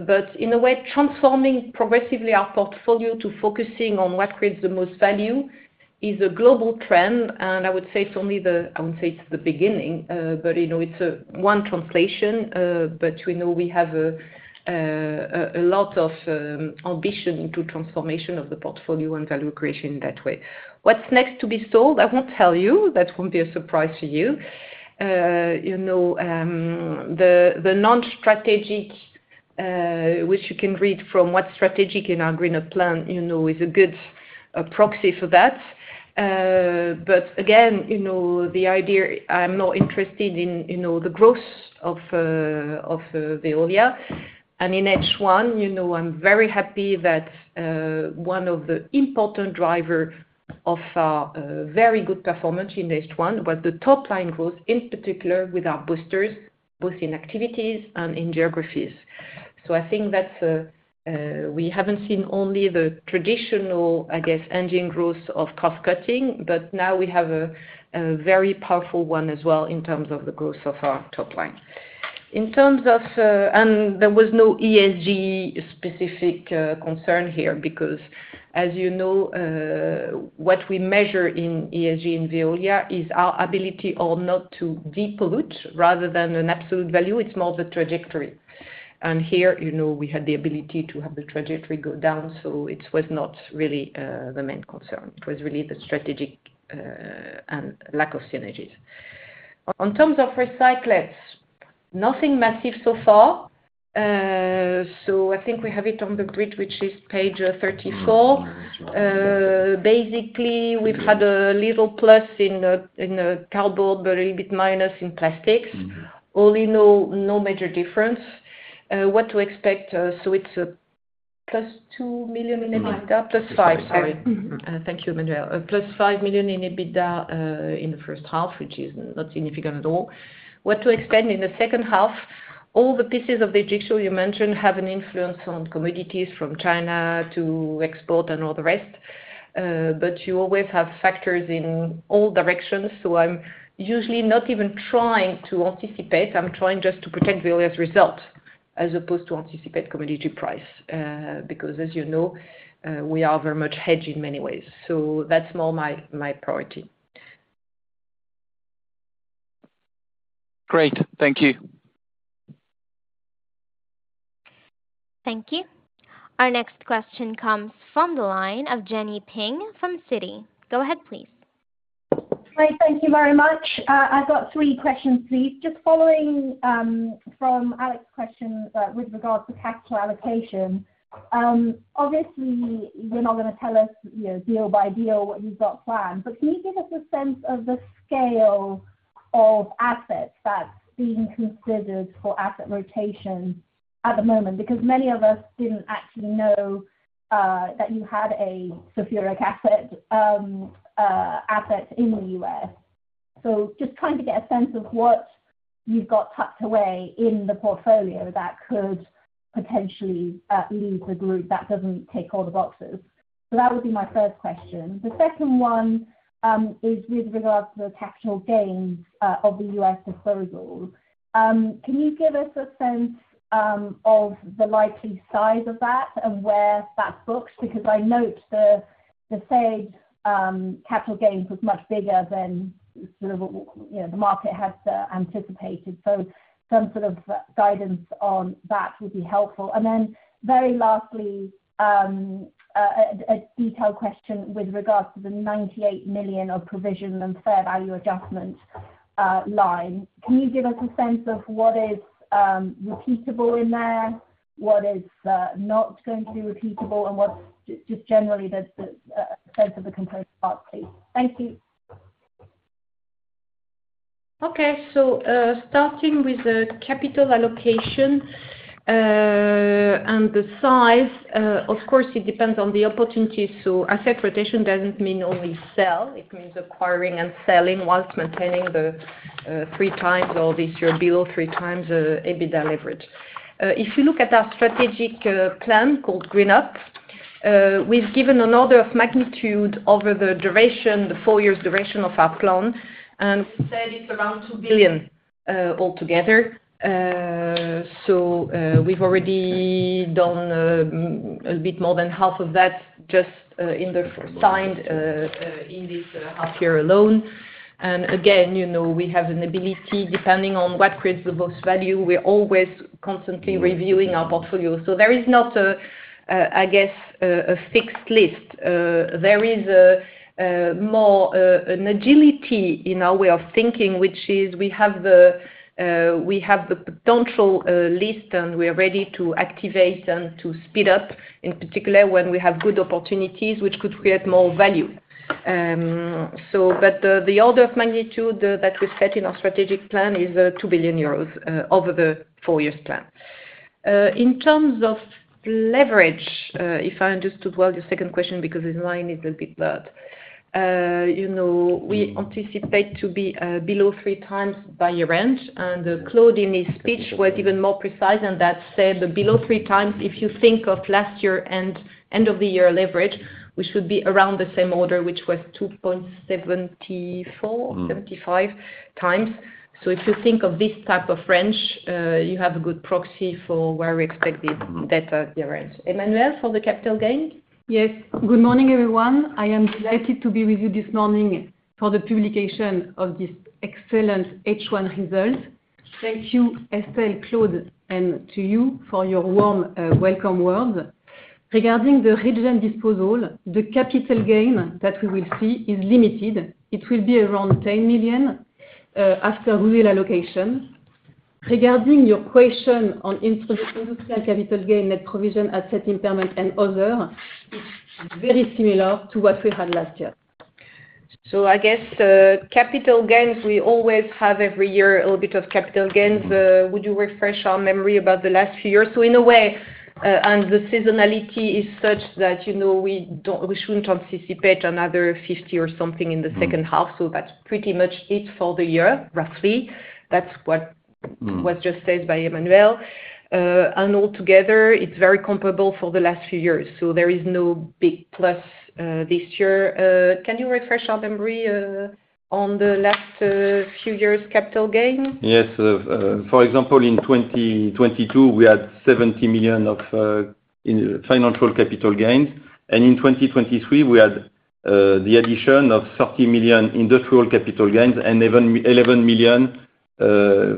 But in a way, transforming progressively our portfolio to focusing on what creates the most value is a global trend, and I would say it's only the—I wouldn't say it's the beginning, but it's one translation. But we have a lot of ambition into transformation of the portfolio and value creation in that way. What's next to be sold? I won't tell you. That won't be a surprise to you. The non-strategic, which you can read from what's strategic in our GreenUp plan, is a good proxy for that. But again, the idea I'm not interested in the growth of Veolia. And in H1, I'm very happy that one of the important drivers of our very good performance in H1 was the top-line growth, in particular with our boosters, both in activities and in geographies. So I think that we haven't seen only the traditional, I guess, engine growth of cross-cutting, but now we have a very powerful one as well in terms of the growth of our top line. In terms of, and there was no ESG-specific concern here, because, as you know, what we measure in ESG in Veolia is our ability or not to depolute rather than an absolute value. It's more the trajectory. And here, we had the ability to have the trajectory go down, so it was not really the main concern. It was really the strategic and lack of synergies. In terms of recyclates, nothing massive so far. So I think we have it on the grid, which is page 34. Basically, we've had a little plus in carbon, but a little bit minus in plastics. All in all, no major difference. What to expect? So it's plus 2 million in EBITDA. plus 5, sorry. Thank you, Emmanuelle. plus 5 million in EBITDA in the first half, which is not significant at all. What to expect in the second half? All the pieces of the jigsaw you mentioned have an influence on commodities from China to export and all the rest. But you always have factors in all directions, so I'm usually not even trying to anticipate. I'm trying just to protect Veolia's result as opposed to anticipate commodity price, because, as you know, we are very much hedged in many ways. So that's more my priority. Great. Thank you. Thank you. Our next question comes from the line of Jenny Ping from Citi. Go ahead, please. Hi. Thank you very much. I've got three questions, please. Just following from Alex's question with regards to capital allocation, obviously, you're not going to tell us deal by deal what you've got planned, but can you give us a sense of the scale of assets that's being considered for asset rotation at the moment? Because many of us didn't actually know that you had a sulfuric acid asset in the U.S. So just trying to get a sense of what you've got tucked away in the portfolio that could potentially lead the group that doesn't take all the boxes. So that would be my first question. The second one is with regards to the capital gains of the U.S. disposal. Can you give us a sense of the likely size of that and where that's booked? Because I note the said capital gains was much bigger than the market has anticipated. So some sort of guidance on that would be helpful. And then very lastly, a detailed question with regards to the 98 million of provision and fair value adjustment line. Can you give us a sense of what is repeatable in there, what is not going to be repeatable, and what's just generally the sense of the component parts, please? Thank you. Okay. So starting with the capital allocation and the size, of course, it depends on the opportunity. So asset rotation doesn't mean only sell. It means acquiring and selling whilst maintaining the 3x or this year below 3x EBITDA leverage. If you look at our strategic plan called GreenUp, we've given an order of magnitude over the duration, the four-year duration of our plan, and we said it's around 2 billion altogether. So we've already done a bit more than half of that just in the signed in this half year alone. And again, we have an ability, depending on what creates the most value, we're always constantly reviewing our portfolio. So there is not, I guess, a fixed list. There is more an agility in our way of thinking, which is we have the potential list, and we are ready to activate and to speed up, in particular when we have good opportunities, which could create more value. But the order of magnitude that we've set in our strategic plan is 2 billion euros over the four-year plan. In terms of leverage, if I understood well your second question, because this line is a bit blurred, we anticipate to be below three times by your range. And Claude's speech was even more precise, and that said, below three times, if you think of last year and end-of-the-year leverage, we should be around the same order, which was 2.74x-2.75x. So if you think of this type of range, you have a good proxy for where we expect this data to range. Emmanuelle, for the capital gain? Yes. Good morning, everyone. I am delighted to be with you this morning for the publication of this excellent H1 result. Thank you, Estelle, Claude, and to you for your warm welcome words. Regarding the regen disposal, the capital gain that we will see is limited. It will be around 10 million after Veolia allocation. Regarding your question on industrial capital gain, net provision, asset impairment, and other, it's very similar to what we had last year. So I guess capital gains. We always have every year a little bit of capital gains. Would you refresh our memory about the last few years? So in a way, and the seasonality is such that we shouldn't anticipate another 50 or something in the second half. So that's pretty much it for the year, roughly. That's what was just said by Emmanuelle. Altogether, it's very comparable for the last few years. So there is no big plus this year. Can you refresh our memory on the last few years' capital gain? Yes. For example, in 2022, we had 70 million of financial capital gains. And in 2023, we had the addition of 30 million industrial capital gains and 11 million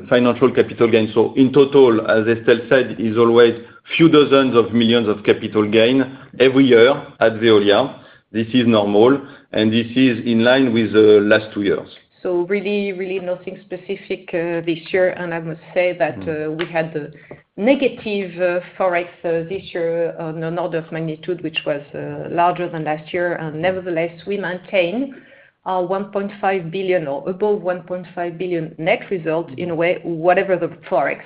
financial capital gains. So in total, as Estelle said, it's always a few dozens of millions of capital gain every year at Veolia. This is normal, and this is in line with the last two years. So really, really nothing specific this year. I must say that we had a negative forex this year on an order of magnitude, which was larger than last year. And nevertheless, we maintain our 1.5 billion or above 1.5 billion net result in a way, whatever the forex,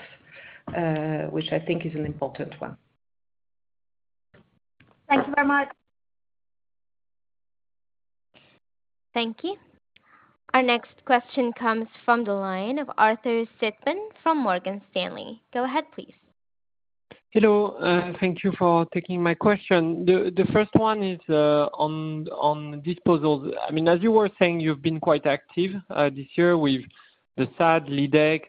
which I think is an important one. Thank you very much. Thank you. Our next question comes from the line of Arthur Sitbon from Morgan Stanley. Go ahead, please. Hello. Thank you for taking my question. The first one is on disposal. I mean, as you were saying, you've been quite active this year with the SADE, Lydec,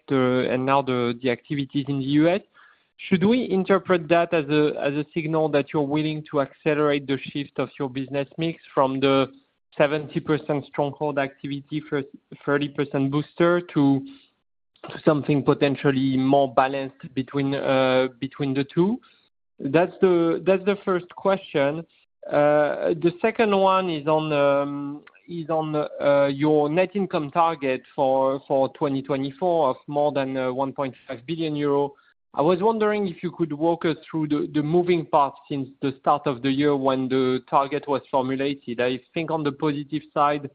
and now the activities in the U.S. Should we interpret that as a signal that you're willing to accelerate the shift of your business mix from the 70% stronghold activity, 30% booster, to something potentially more balanced between the two? That's the first question. The second one is on your net income target for 2024 of more than 1.5 billion euro. I was wondering if you could walk us through the moving path since the start of the year when the target was formulated. I think on the positive side,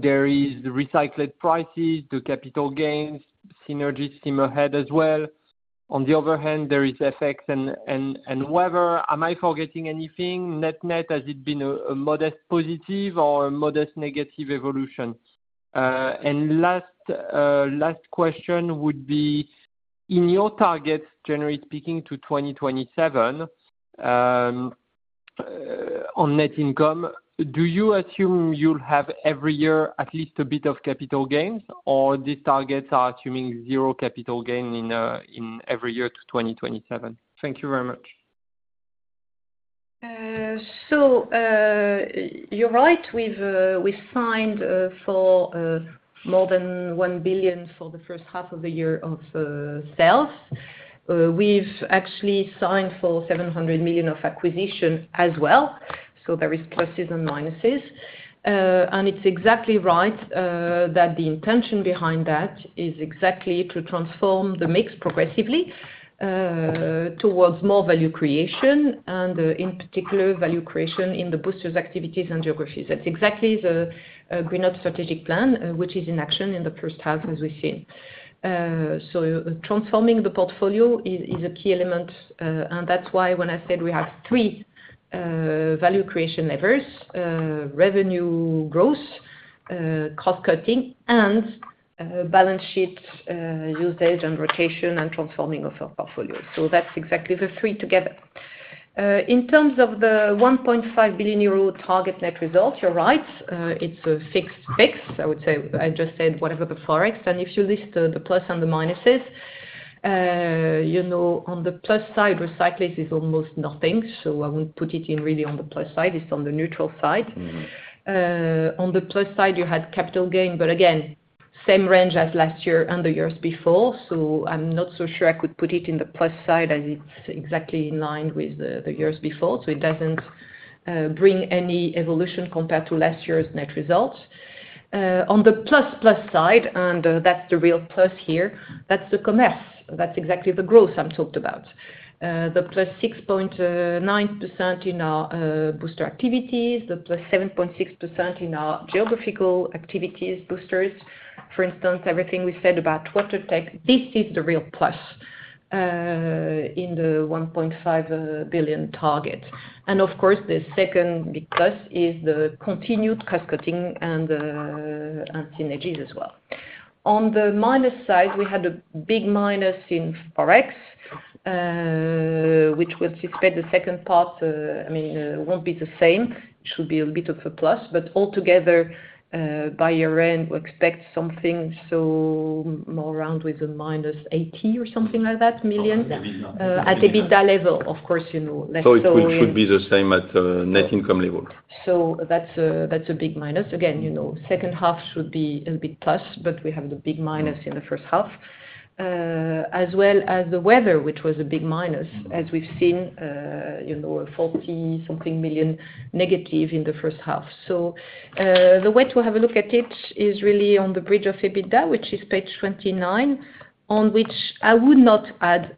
there are recyclate prices, the capital gains, synergies seem ahead as well. On the other hand, there is FX and weather. Am I forgetting anything? Net net, has it been a modest positive or a modest negative evolution? And last question would be, in your targets, generally speaking, to 2027 on net income, do you assume you'll have every year at least a bit of capital gains, or these targets are assuming zero capital gain in every year to 2027? Thank you very much. So you're right. We've signed for more than 1 billion for the first half of the year of sales. We've actually signed for 700 million of acquisition as well. So there are pluses and minuses. And it's exactly right that the intention behind that is exactly to transform the mix progressively towards more value creation and, in particular, value creation in the boosters' activities and geographies. That's exactly the GreenUp strategic plan, which is in action in the first half, as we've seen. So transforming the portfolio is a key element. And that's why when I said we have three value creation levers: revenue growth, cross-cutting, and balance sheet usage and rotation and transforming of our portfolio. So that's exactly the three together. In terms of the 1.5 billion euro target net result, you're right. It's a fixed fix. I would say I just said whatever the forex. And if you list the plus and the minuses, on the plus side, recyclate is almost nothing. So I wouldn't put it in really on the plus side. It's on the neutral side. On the plus side, you had capital gain, but again, same range as last year and the years before. So I'm not so sure I could put it in the plus side as it's exactly in line with the years before. So it doesn't bring any evolution compared to last year's net result. On the plus-plus side, and that's the real plus here, that's the commerce. That's exactly the growth I'm talking about. The +6.9% in our booster activities, the +7.6% in our geographical activities boosters. For instance, everything we said about water tech, this is the real plus in the 1.5 billion target. And of course, the second big plus is the continued cross-cutting and synergies as well. On the minus side, we had a big minus in forex, which we'll anticipate the second part, I mean, won't be the same. It should be a bit of a plus. But altogether, by year-end, we expect something so more around with a minus 80 million or something like that at EBITDA level, of course, less than EUR 2 billion. So it should be the same at net income level. So that's a big minus. Again, second half should be a bit plus, but we have the big minus in the first half, as well as the weather, which was a big minus, as we've seen, 40 negative something million in the first half. So the way to have a look at it is really on the bridge of EBITDA, which is page 29, on which I would not add,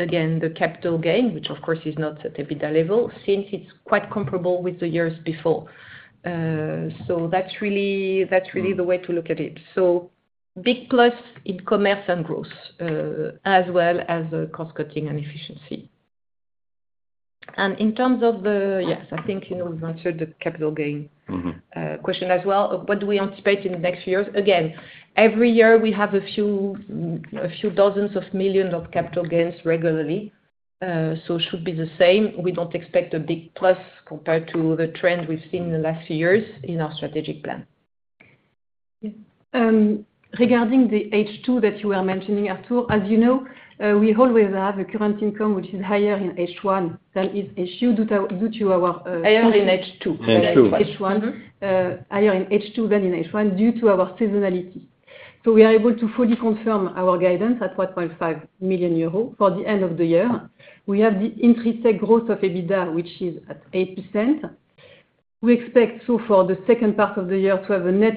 again, the capital gain, which, of course, is not at EBITDA level since it's quite comparable with the years before. So that's really the way to look at it. So big plus in commerce and growth, as well as cross-cutting and efficiency. And in terms of the yes, I think we've answered the capital gain question as well. What do we anticipate in the next few years? Again, every year, we have a few dozen million of capital gains regularly. So it should be the same. We don't expect a big plus compared to the trend we've seen in the last few years in our strategic plan. Regarding the H2 that you were mentioning, Arthur, as you know, we always have a current income which is higher in H1 than is H2 due to our higher in H2 than H1, higher in H2 than in H1 due to our seasonality. So we are able to fully confirm our guidance at 1.5 million euros for the end of the year. We have the intrinsic growth of EBITDA, which is at 8%. We expect so far the second part of the year to have a net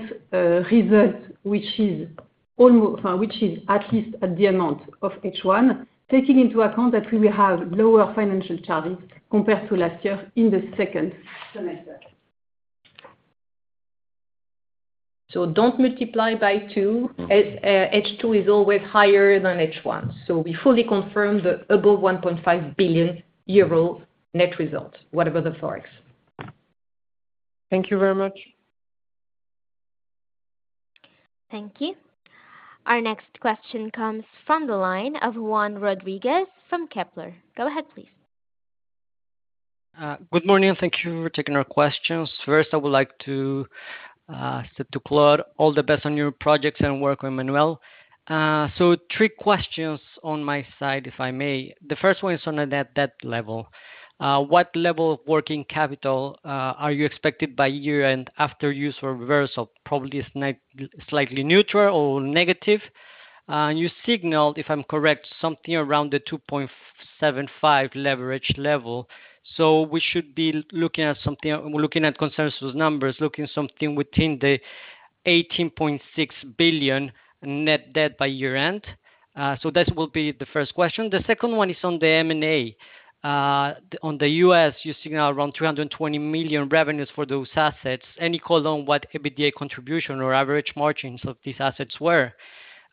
result, which is at least at the amount of H1, taking into account that we will have lower financial charges compared to last year in the second semester. So don't multiply by two. H2 is always higher than H1. So we fully confirm the above 1.5 billion euro net result, whatever the forex. Thank you very much. Thank you. Our next question comes from the line of Juan Rodriguez from Kepler. Go ahead, please. Good morning. Thank you for taking our questions. First, I would like to say to Claude, all the best on your projects and work with Emmanuelle. So three questions on my side, if I may. The first one is on a net debt level. What level of working capital are you expected by year-end after use or reversal? Probably slightly neutral or negative. You signaled, if I'm correct, something around the 2.75 leverage level. So we should be looking at something, looking at consensus numbers, looking at something within the 18.6 billion net debt by year-end. So that will be the first question. The second one is on the M&A. On the U.S., you signal around 320 million revenues for those assets. Any call on what EBITDA contribution or average margins of these assets were?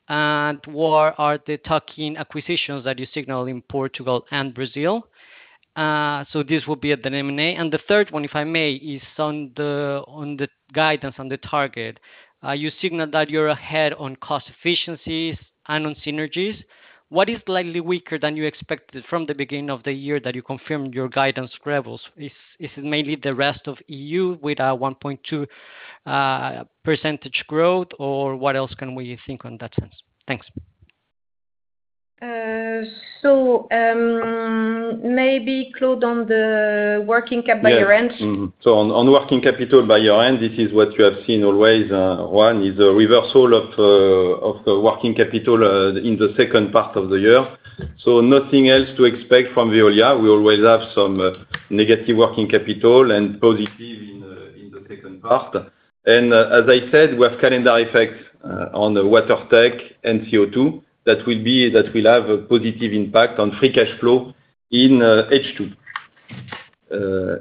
What are the tuck-in acquisitions that you signal in Portugal and Brazil? This will be at the M&A. The third one, if I may, is on the guidance on the target. You signal that you're ahead on cost efficiencies and on synergies. What is slightly weaker than you expected from the beginning of the year that you confirmed your guidance levels? Is it mainly the rest of EU with a 1.2% growth, or what else can we think on that sense? Thanks. Maybe Claude on the working cap by year-end. Yes. On working capital by year-end, this is what you have seen always. One is a reversal of the working capital in the second part of the year. Nothing else to expect from Veolia. We always have some negative working capital and positive in the second part. As I said, we have calendar effects on water tech and CO2. That will have a positive impact on free cash flow in H2.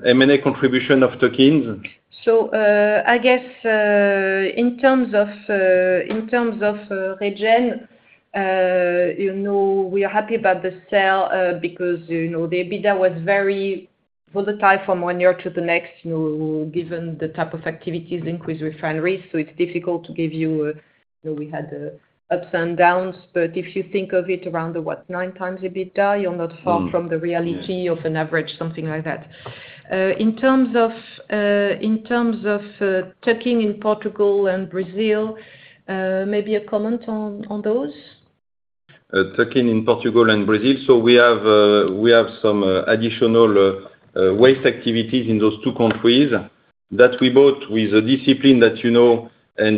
M&A contribution of tuck-ins? So I guess in terms of regen, we are happy about the sale because the EBITDA was very volatile from one year to the next, given the type of activities increased refineries. So it's difficult to give you a we had ups and downs. But if you think of it around the, what, 9x EBITDA, you're not far from the reality of an average, something like that. In terms of tuck-in in Portugal and Brazil, maybe a comment on those? Tuck-in in Portugal and Brazil. So we have some additional waste activities in those two countries that we bought with a discipline that you know.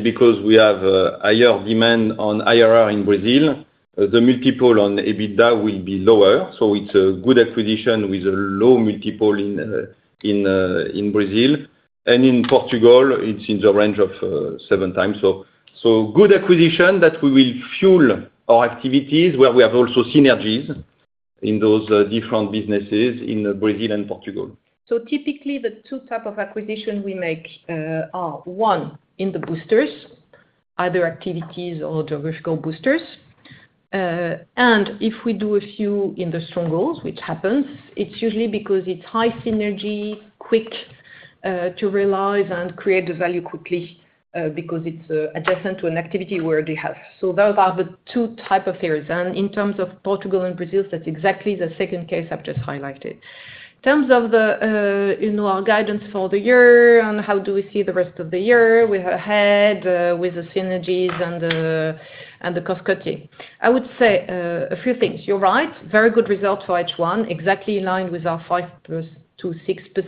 Because we have higher demand on IRR in Brazil, the multiple on EBITDA will be lower. It's a good acquisition with a low multiple in Brazil. In Portugal, it's in the range of 7x. Good acquisition that we will fuel our activities where we have also synergies in those different businesses in Brazil and Portugal. Typically, the two types of acquisition we make are one in the boosters, either activities or geographical boosters. If we do a few in the strong goals, which happens, it's usually because it's high synergy, quick to realize and create the value quickly because it's adjacent to an activity where they have. Those are the two types of areas. In terms of Portugal and Brazil, that's exactly the second case I've just highlighted. In terms of our guidance for the year and how do we see the rest of the year with ahead with the synergies and the cross-cutting, I would say a few things. You're right. Very good result for H1, exactly in line with our 5.26%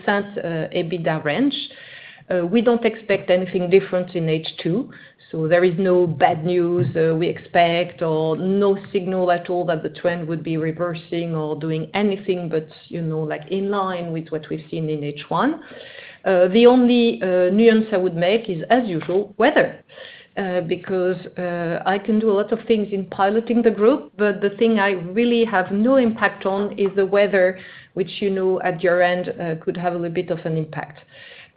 EBITDA range. We don't expect anything different in H2. So there is no bad news we expect or no signal at all that the trend would be reversing or doing anything but in line with what we've seen in H1. The only nuance I would make is, as usual, weather, because I can do a lot of things in piloting the group, but the thing I really have no impact on is the weather, which at year-end could have a little bit of an impact.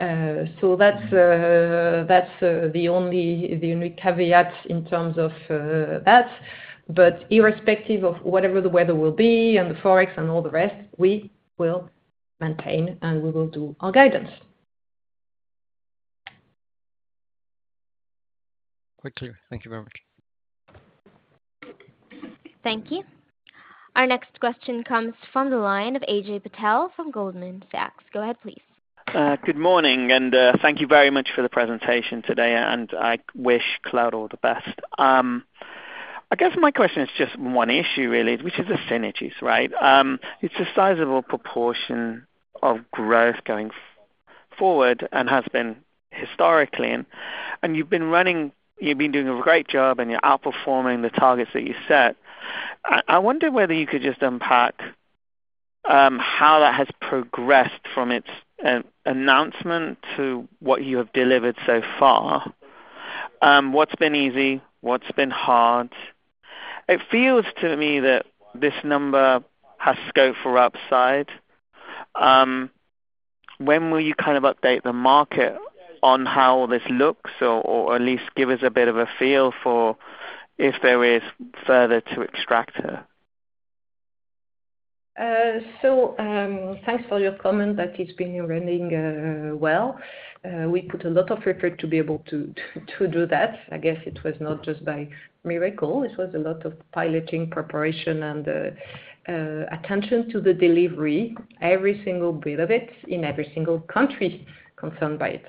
So that's the only caveat in terms of that. But irrespective of whatever the weather will be and the forex and all the rest, we will maintain and we will do our guidance. Quite clear. Thank you very much. Thank you. Our next question comes from the line of Ajay Patel from Goldman Sachs. Go ahead, please. Good morning. And thank you very much for the presentation today. And I wish Claude all the best. I guess my question is just one issue, really, which is the synergies, right? It's a sizable proportion of growth going forward and has been historically. And you've been running, you've been doing a great job, and you're outperforming the targets that you set. I wonder whether you could just unpack how that has progressed from its announcement to what you have delivered so far. What's been easy? What's been hard? It feels to me that this number has scope for upside. When will you kind of update the market on how this looks or at least give us a bit of a feel for if there is further to extract here? So thanks for your comment that it's been running well. We put a lot of effort to be able to do that. I guess it was not just by miracle. It was a lot of piloting, preparation, and attention to the delivery, every single bit of it in every single country concerned by it.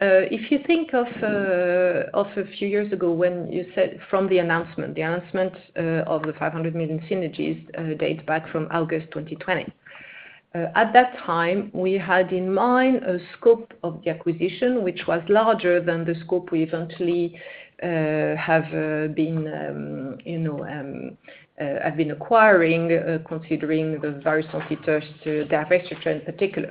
If you think of a few years ago when you said from the announcement, the announcement of the 500 million synergies dates back from August 2020. At that time, we had in mind a scope of the acquisition, which was larger than the scope we eventually have been acquiring, considering the various competitors, their research in particular.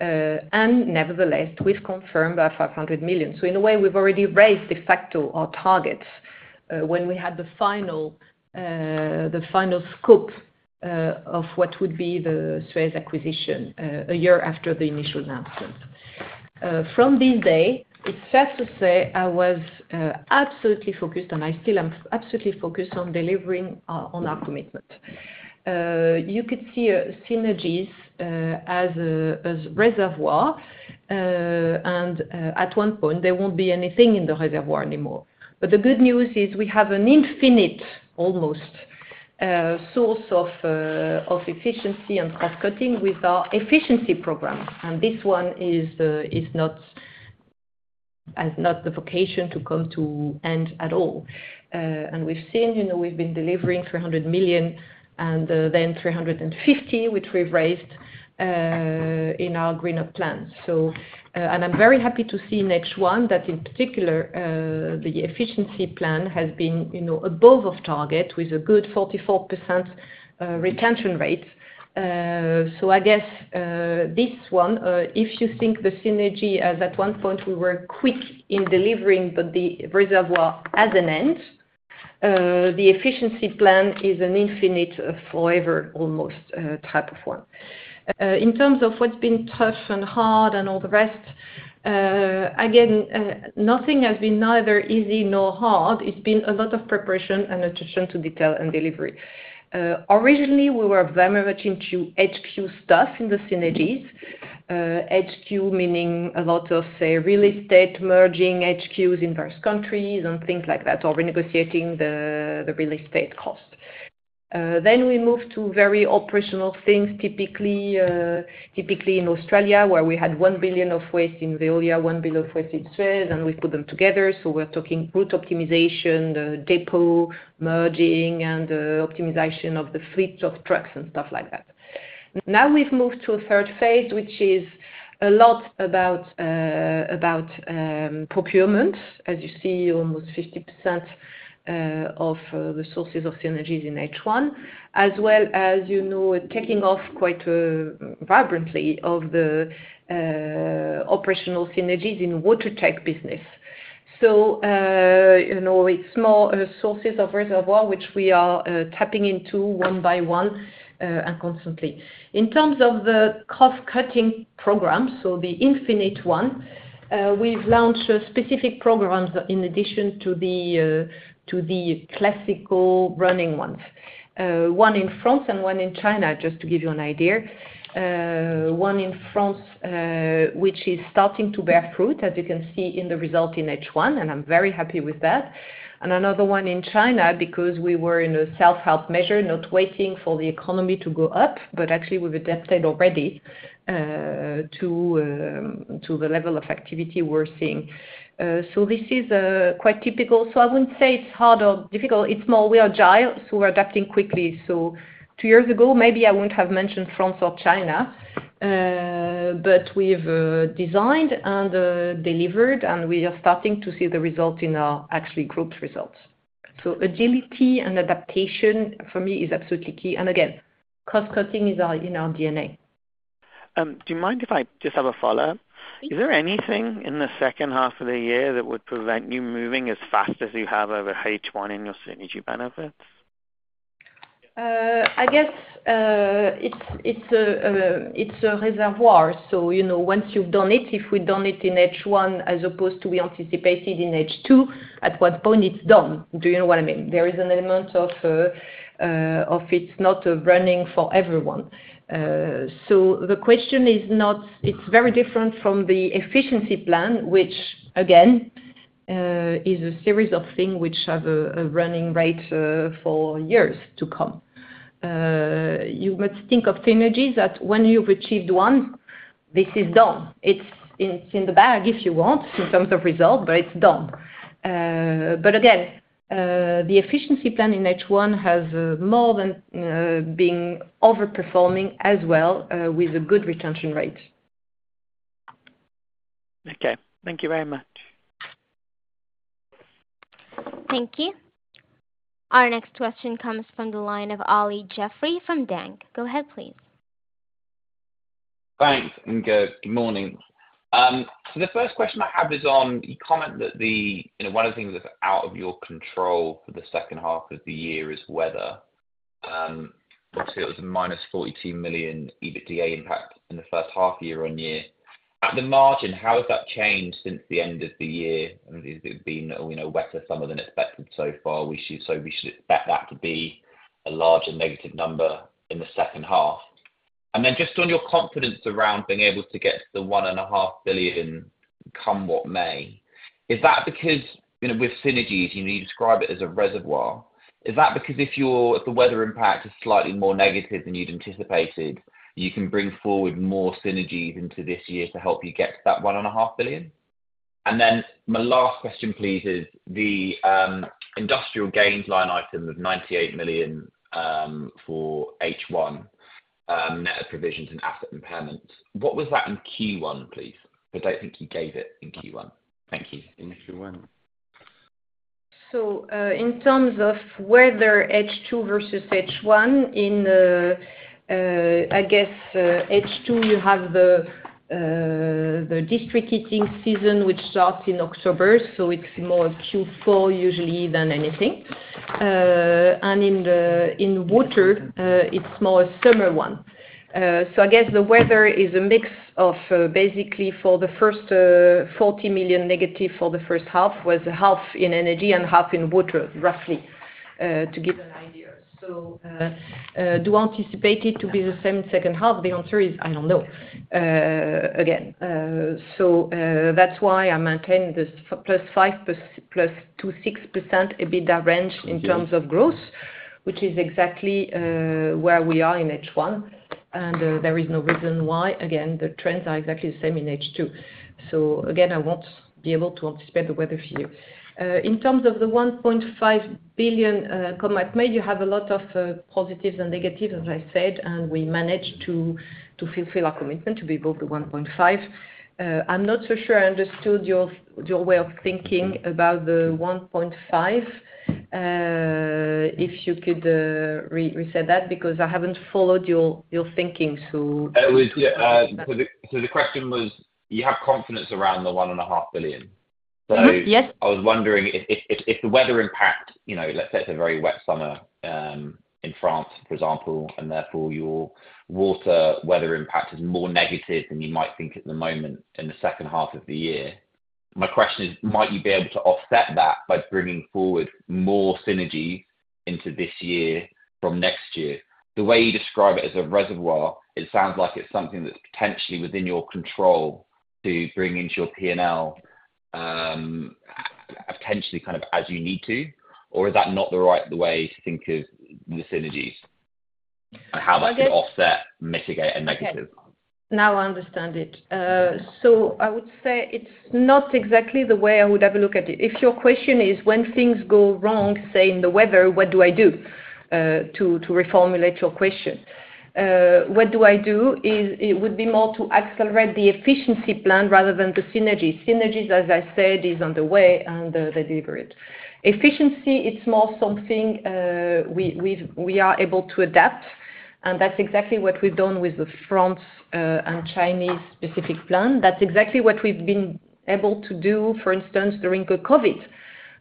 Nevertheless, we've confirmed our 500 million. So in a way, we've already raised de facto our targets when we had the final scope of what would be the Suez acquisition a year after the initial announcement. From this day, it's fair to say I was absolutely focused, and I still am absolutely focused on delivering on our commitment. You could see synergies as a reservoir, and at one point, there won't be anything in the reservoir anymore. But the good news is we have an infinite almost source of efficiency and cross-cutting with our efficiency program. And this one is not the vocation to come to end at all. And we've seen we've been delivering 300 million and then 350 million, which we've raised in our GreenUp plans. And I'm very happy to see in H1 that in particular, the efficiency plan has been above target with a good 44% retention rate. So I guess this one, if you think the synergy at one point we were quick in delivering, but the reservoir as an end, the efficiency plan is an infinite forever almost type of one. In terms of what's been tough and hard and all the rest, again, nothing has been neither easy nor hard. It's been a lot of preparation and attention to detail and delivery. Originally, we were very much into HQ stuff in the synergies. HQ meaning a lot of, say, real estate merging HQs in various countries and things like that or renegotiating the real estate cost. Then we moved to very operational things, typically in Australia, where we had 1 billion of waste in Veolia, 1 billion of waste in Suez, and we put them together. So we're talking route optimization, depot merging, and optimization of the fleet of trucks and stuff like that. Now we've moved to a third phase, which is a lot about procurement, as you see almost 50% of the sources of synergies in H1, as well as taking off quite vibrantly of the operational synergies in water tech business. So it's more sources of reservoir, which we are tapping into one by one and constantly. In terms of the cross-cutting program, so the infinite one, we've launched specific programs in addition to the classical running ones, one in France and one in China, just to give you an idea. One in France, which is starting to bear fruit, as you can see in the result in H1, and I'm very happy with that. And another one in China because we were in a self-help measure, not waiting for the economy to go up, but actually we've adapted already to the level of activity we're seeing. So this is quite typical. So I wouldn't say it's hard or difficult. It's more we are agile, so we're adapting quickly. So two years ago, maybe I wouldn't have mentioned France or China, but we've designed and delivered, and we are starting to see the result in our actually grouped results. So agility and adaptation for me is absolutely key. And again, cross-cutting is in our DNA. Do you mind if I just have a follow-up? Is there anything in the second half of the year that would prevent you moving as fast as you have over H1 in your synergy benefits? I guess it's a reservoir. So once you've done it, if we've done it in H1 as opposed to we anticipated in H2, at one point, it's done. Do you know what I mean? There is an element of it's not running for everyone. So the question is not it's very different from the efficiency plan, which, again, is a series of things which have a running rate for years to come. You must think of synergies that when you've achieved one, this is done. It's in the bag, if you want, in terms of result, but it's done. But again, the efficiency plan in H1 has more than been overperforming as well with a good retention rate. Okay. Thank you very much. Thank you. Our next question comes from the line of Olly Jeffery from Deutsche Bank. Go ahead, please. Thanks. Good morning. So the first question I have is on your comment that one of the things that's out of your control for the second half of the year is weather. I see it was a minus 42 million EBITDA impact in the first half year-over-year. At the margin, how has that changed since the end of the year? Has it been a wetter summer than expected so far? So we should expect that to be a larger negative number in the second half. And then just on your confidence around being able to get to the 1.5 billion come what may, is that because with synergies, you describe it as a reservoir? Is that because if the weather impact is slightly more negative than you'd anticipated, you can bring forward more synergies into this year to help you get to that 1.5 billion? And then my last question, please, is the industrial gains line item of 98 million for H1, net provisions and asset impairments. What was that in Q1, please? I don't think you gave it in Q1. Thank you. In Q1. So in terms of weather, H2 versus H1, I guess, H2, you have the district heating season, which starts in October. So it's more Q4 usually than anything. And in water, it's more a summer one. So I guess the weather is a mix of basically for the first 40 million negative for the first half was half in energy and half in water, roughly, to give an idea. So do you anticipate it to be the same second half? The answer is I don't know, again. So that's why I maintain this +5, +2.6% EBITDA range in terms of growth, which is exactly where we are in H1. And there is no reason why, again, the trends are exactly the same in H2. So again, I won't be able to anticipate the weather for you. In terms of the 1.5 billion commitment, you have a lot of positives and negatives, as I said, and we managed to fulfill our commitment to be above the 1.5 billion. I'm not so sure I understood your way of thinking about the 1.5 billion, if you could reset that, because I haven't followed your thinking, so. So the question was, you have confidence around the 1.5 billion. So I was wondering if the weather impact, let's say it's a very wet summer in France, for example, and therefore your water weather impact is more negative than you might think at the moment in the second half of the year. My question is, might you be able to offset that by bringing forward more synergies into this year from next year? The way you describe it as a reservoir, it sounds like it's something that's potentially within your control to bring into your P&L potentially kind of as you need to, or is that not the right way to think of the synergies? How much to offset, mitigate, and negative? Now I understand it. So I would say it's not exactly the way I would have a look at it. If your question is when things go wrong, say in the weather, what do I do to reformulate your question? What I do is, it would be more to accelerate the efficiency plan rather than the synergies. Synergies, as I said, is on the way, and they deliver it. Efficiency, it's more something we are able to adapt. And that's exactly what we've done with the French and Chinese specific plan. That's exactly what we've been able to do, for instance, during COVID,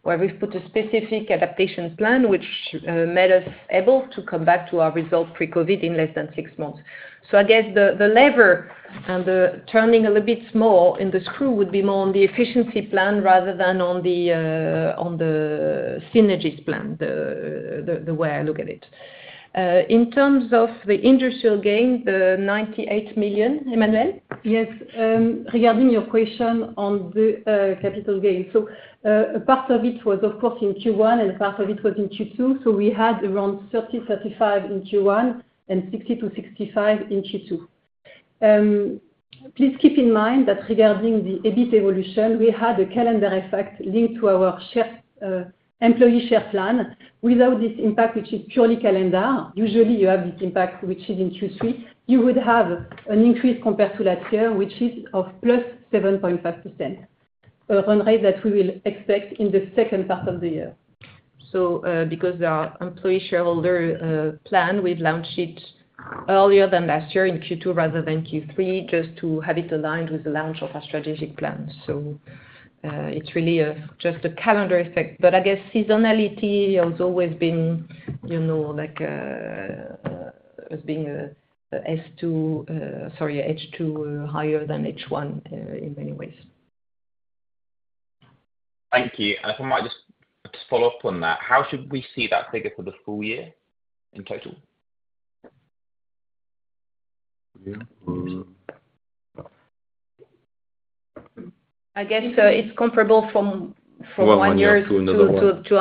where we've put a specific adaptation plan, which made us able to come back to our result pre-COVID in less than six months. So I guess the lever and the turning a little bit more in the screw would be more on the efficiency plan rather than on the synergies plan, the way I look at it. In terms of the industrial gain, the 98 million, Emmanuelle? Yes. Regarding your question on the capital gain, so part of it was, of course, in Q1, and part of it was in Q2. So we had around 30 million-35 million in Q1 and 60 million-65 million in Q2. Please keep in mind that regarding the EBIT evolution, we had a calendar effect linked to our employee share plan. Without this impact, which is purely calendar, usually you have this impact, which is in Q3, you would have an increase compared to last year, which is of +7.5%, a run rate that we will expect in the second part of the year. So because the employee shareholder plan, we've launched it earlier than last year in Q2 rather than Q3, just to have it aligned with the launch of our strategic plan. So it's really just a calendar effect. But I guess seasonality has always been like as being an S2, sorry, H2 higher than H1 in many ways. Thank you. And if I might just follow up on that, how should we see that figure for the full year in total? I guess it's comparable from one year to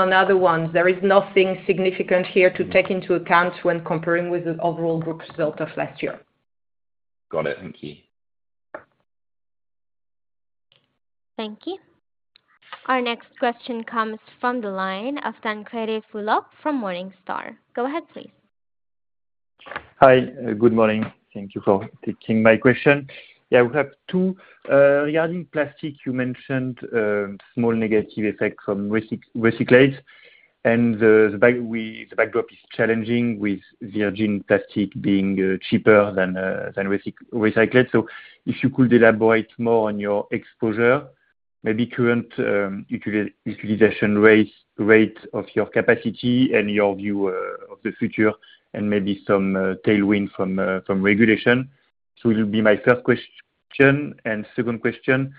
another one. There is nothing significant here to take into account when comparing with the overall group result of last year. Got it. Thank you. Thank you. Our next question comes from the line of Tancrède Fulop from Morningstar. Go ahead, please. Hi. Good morning. Thank you for taking my question. Yeah, we have two. Regarding plastic, you mentioned small negative effect from recyclate. The backdrop is challenging with virgin plastic being cheaper than recyclate. So if you could elaborate more on your exposure, maybe current utilization rate of your capacity and your view of the future, and maybe some tailwind from regulation. So it will be my first question. Second question,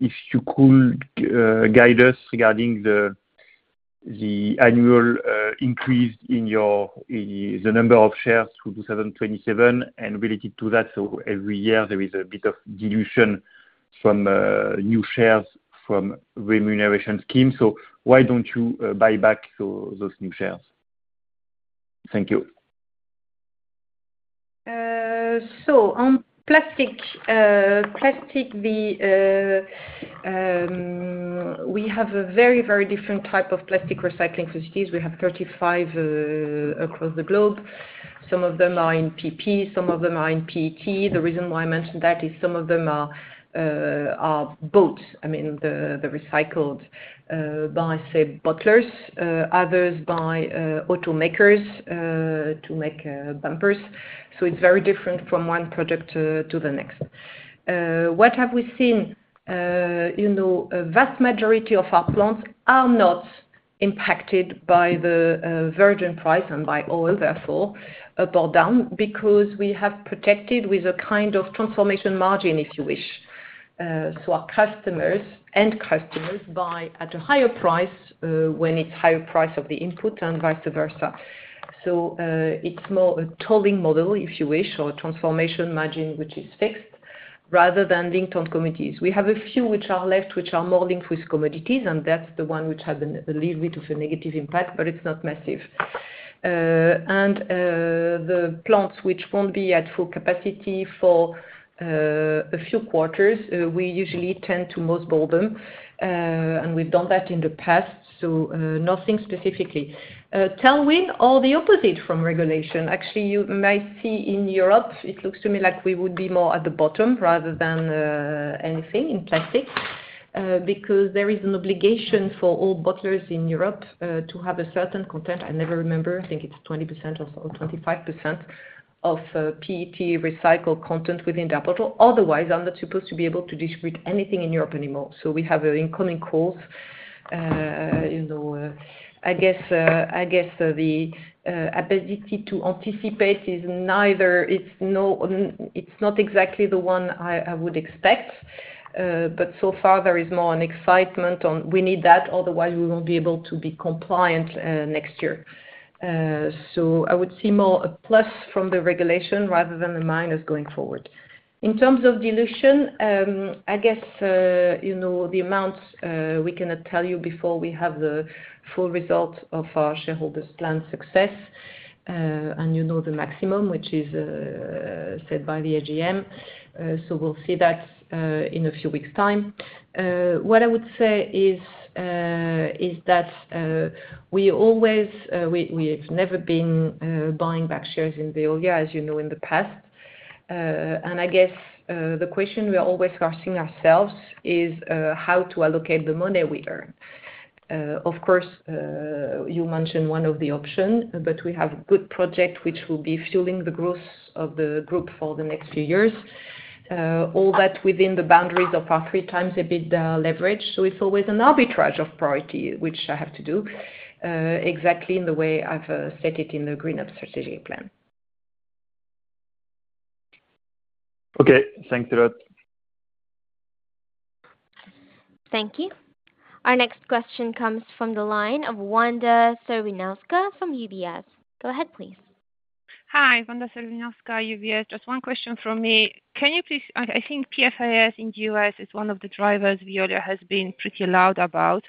if you could guide us regarding the annual increase in the number of shares to 2027 and related to that. So every year, there is a bit of dilution from new shares from remuneration schemes. So why don't you buy back those new shares? Thank you. So on plastic, we have a very, very different type of plastic recycling facilities. We have 35 across the globe. Some of them are in PP, some of them are in PET. The reason why I mentioned that is some of them are bought, I mean, they're recycled by, say, bottlers, others by automakers to make bumpers. So it's very different from one project to the next. What have we seen? A vast majority of our plants are not impacted by the virgin price and by oil, therefore, up or down, because we have protected with a kind of transformation margin, if you wish. So our customers and customers buy at a higher price when it's higher price of the input and vice versa. So it's more a tolling model, if you wish, or a transformation margin which is fixed rather than linked to commodities. We have a few which are left, which are more linked with commodities, and that's the one which has a little bit of a negative impact, but it's not massive. The plants which won't be at full capacity for a few quarters, we usually tend to impair them. We've done that in the past, so nothing specifically. Tailwind or the opposite from regulation. Actually, you may see in Europe, it looks to me like we would be more at the top rather than anything in plastic, because there is an obligation for all bottlers in Europe to have a certain content. I never remember. I think it's 20% or 25% of PET recycled content within their bottle. Otherwise, I'm not supposed to be able to distribute anything in Europe anymore. So we have incoming calls. I guess the ability to anticipate is neither. It's not exactly the one I would expect. But so far, there is more an excitement on we need that. Otherwise, we won't be able to be compliant next year. So I would see more a plus from the regulation rather than a minus going forward. In terms of dilution, I guess the amounts we cannot tell you before we have the full result of our shareholders' plan success and the maximum, which is set by the AGM. So we'll see that in a few weeks' time. What I would say is that we always have never been buying back shares in Veolia, as you know, in the past. I guess the question we are always asking ourselves is how to allocate the money we earn. Of course, you mentioned one of the options, but we have a good project which will be fueling the growth of the group for the next few years, all that within the boundaries of our 3x EBIT leverage. So it's always an arbitrage of priority, which I have to do exactly in the way I've set it in the GreenUp strategic plan. Okay. Thanks a lot. Thank you. Our next question comes from the line of Wanda Serwinowska from UBS. Go ahead, please. Hi, Wanda Serwinowska, UBS. Just one question from me. Can you please I think PFAS in the U.S. is one of the drivers Veolia has been pretty loud about.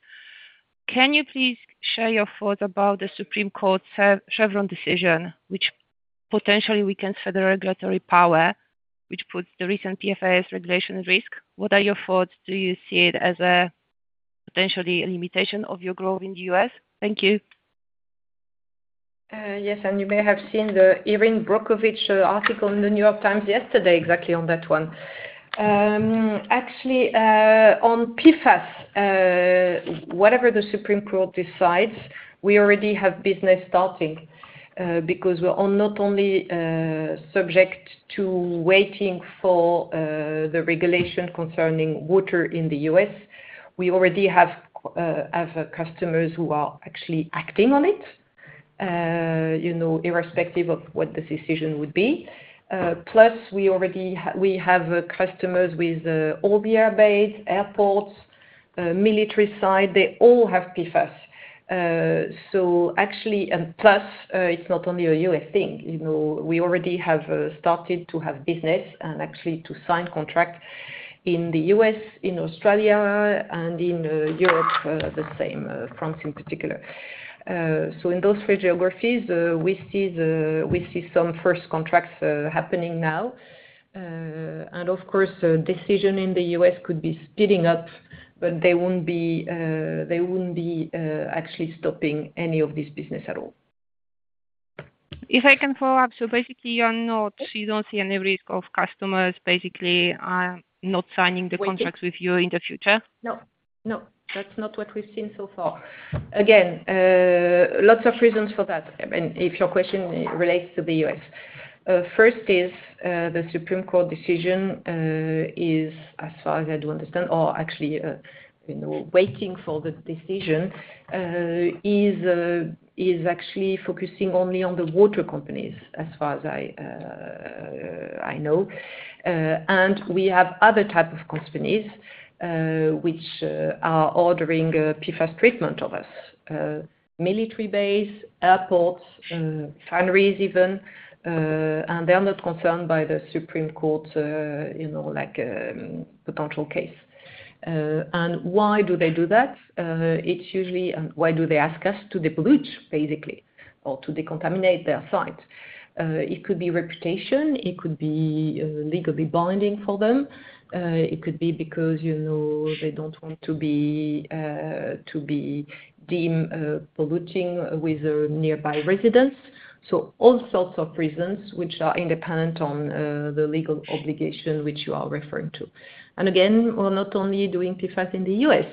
Can you please share your thoughts about the Supreme Court's Chevron decision, which potentially weakens federal regulatory power, which puts the recent PFAS regulation at risk? What are your thoughts? Do you see it as a potential limitation of your growth in the U.S.? Thank you. Yes. And you may have seen the Erin Brockovich article in The New York Times yesterday exactly on that one. Actually, on PFAS, whatever the Supreme Court decides, we already have business starting because we're not only subject to waiting for the regulation concerning water in the U.S. We already have customers who are actually acting on it, irrespective of what the decision would be. Plus, we have customers with all the air bases, airports, military side. They all have PFAS. So actually, and plus, it's not only a U.S. thing. We already have started to have business and actually to sign contracts in the U.S., in Australia, and in Europe, the same, France in particular. So in those three geographies, we see some first contracts happening now. And of course, the decision in the U.S. could be speeding up, but they wouldn't be actually stopping any of this business at all. If I can follow up, so basically, you are not you don't see any risk of customers basically not signing the contracts with you in the future? No. No. That's not what we've seen so far. Again, lots of reasons for that. I mean, if your question relates to the U.S. First is the Supreme Court decision is, as far as I do understand, or actually waiting for the decision, is actually focusing only on the water companies as far as I know. We have other types of companies which are ordering PFAS treatment of us, military base, airports, foundries even. They're not concerned by the Supreme Court like potential case. Why do they do that? It's usually why do they ask us to debrief, basically, or to decontaminate their site? It could be reputation. It could be legally binding for them. It could be because they don't want to be deemed polluting with their nearby residents. So all sorts of reasons which are independent on the legal obligation which you are referring to. Again, we're not only doing PFAS in the U.S.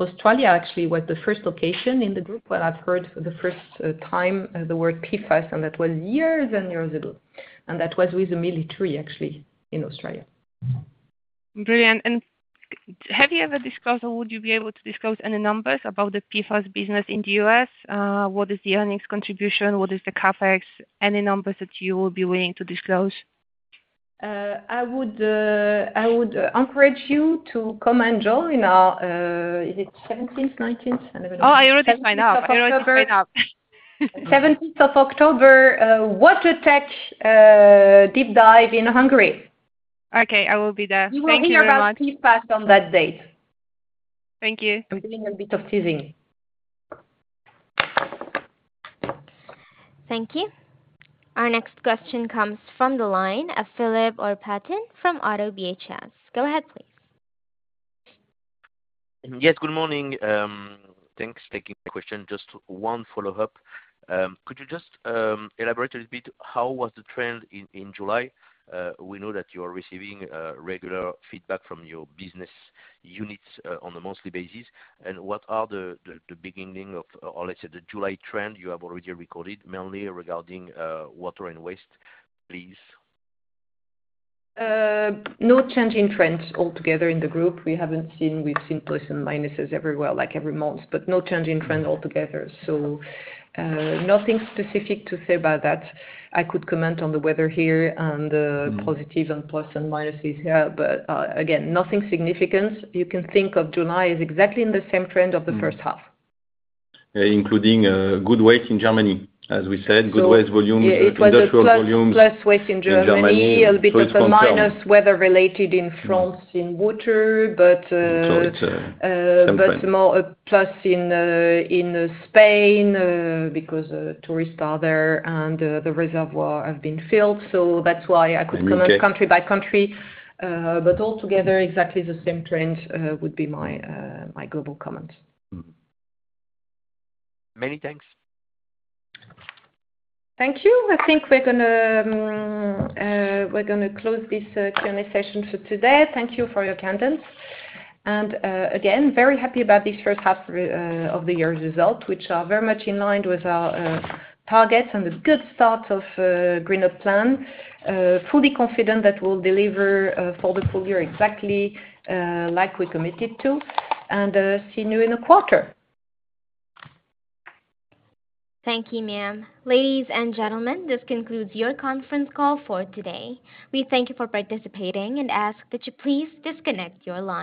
Australia actually was the first location in the group when I've heard for the first time the word PFAS, and that was years and years ago. That was with the military, actually, in Australia. Brilliant. Have you ever disclosed or would you be able to disclose any numbers about the PFAS business in the U.S.? What is the earnings contribution? What is the CapEx? Any numbers that you would be willing to disclose? I would encourage you to come and join our—is it 17th, 19th? I never know. Oh, I already signed up. I already signed up. 17th of October, water tech deep dive in Hungary. Okay. I will be there. Thank you very much. We will hear about PFAS on that date. Thank you. I'm doing a bit of teasing. Thank you. Our next question comes from the line of Philippe Ourpatian from Oddo BHF. Go ahead, please. Yes. Good morning. Thanks for taking my question. Just one follow-up. Could you just elaborate a little bit? How was the trend in July? We know that you are receiving regular feedback from your business units on a monthly basis. What are the beginning of, or let's say, the July trend you have already recorded, mainly regarding water and waste, please? No change in trends altogether in the group. We haven't seen. We've seen plus and minuses everywhere like every month, but no change in trend altogether. So nothing specific to say about that. I could comment on the weather here and positive and plus and minuses here, but again, nothing significant. You can think of July is exactly in the same trend of the first half. Including good waste in Germany, as we said, good waste volumes, industrial volumes. It was plus waste in Germany, a little bit of a minus weather-related in France in water, but more a plus in Spain because tourists are there and the reservoir have been filled. So that's why I could comment country by country. But altogether, exactly the same trend would be my global comment. Many thanks. Thank you. I think we're going to close this Q&A session for today. Thank you for your candidness. And again, very happy about this first half of the year's result, which are very much in line with our targets and a good start of GreenUp plan. Fully confident that we'll deliver for the full year exactly like we committed to. And see you in a quarter. Thank you, ma'am. Ladies and gentlemen, this concludes your conference call for today. We thank you for participating and ask that you please disconnect your line.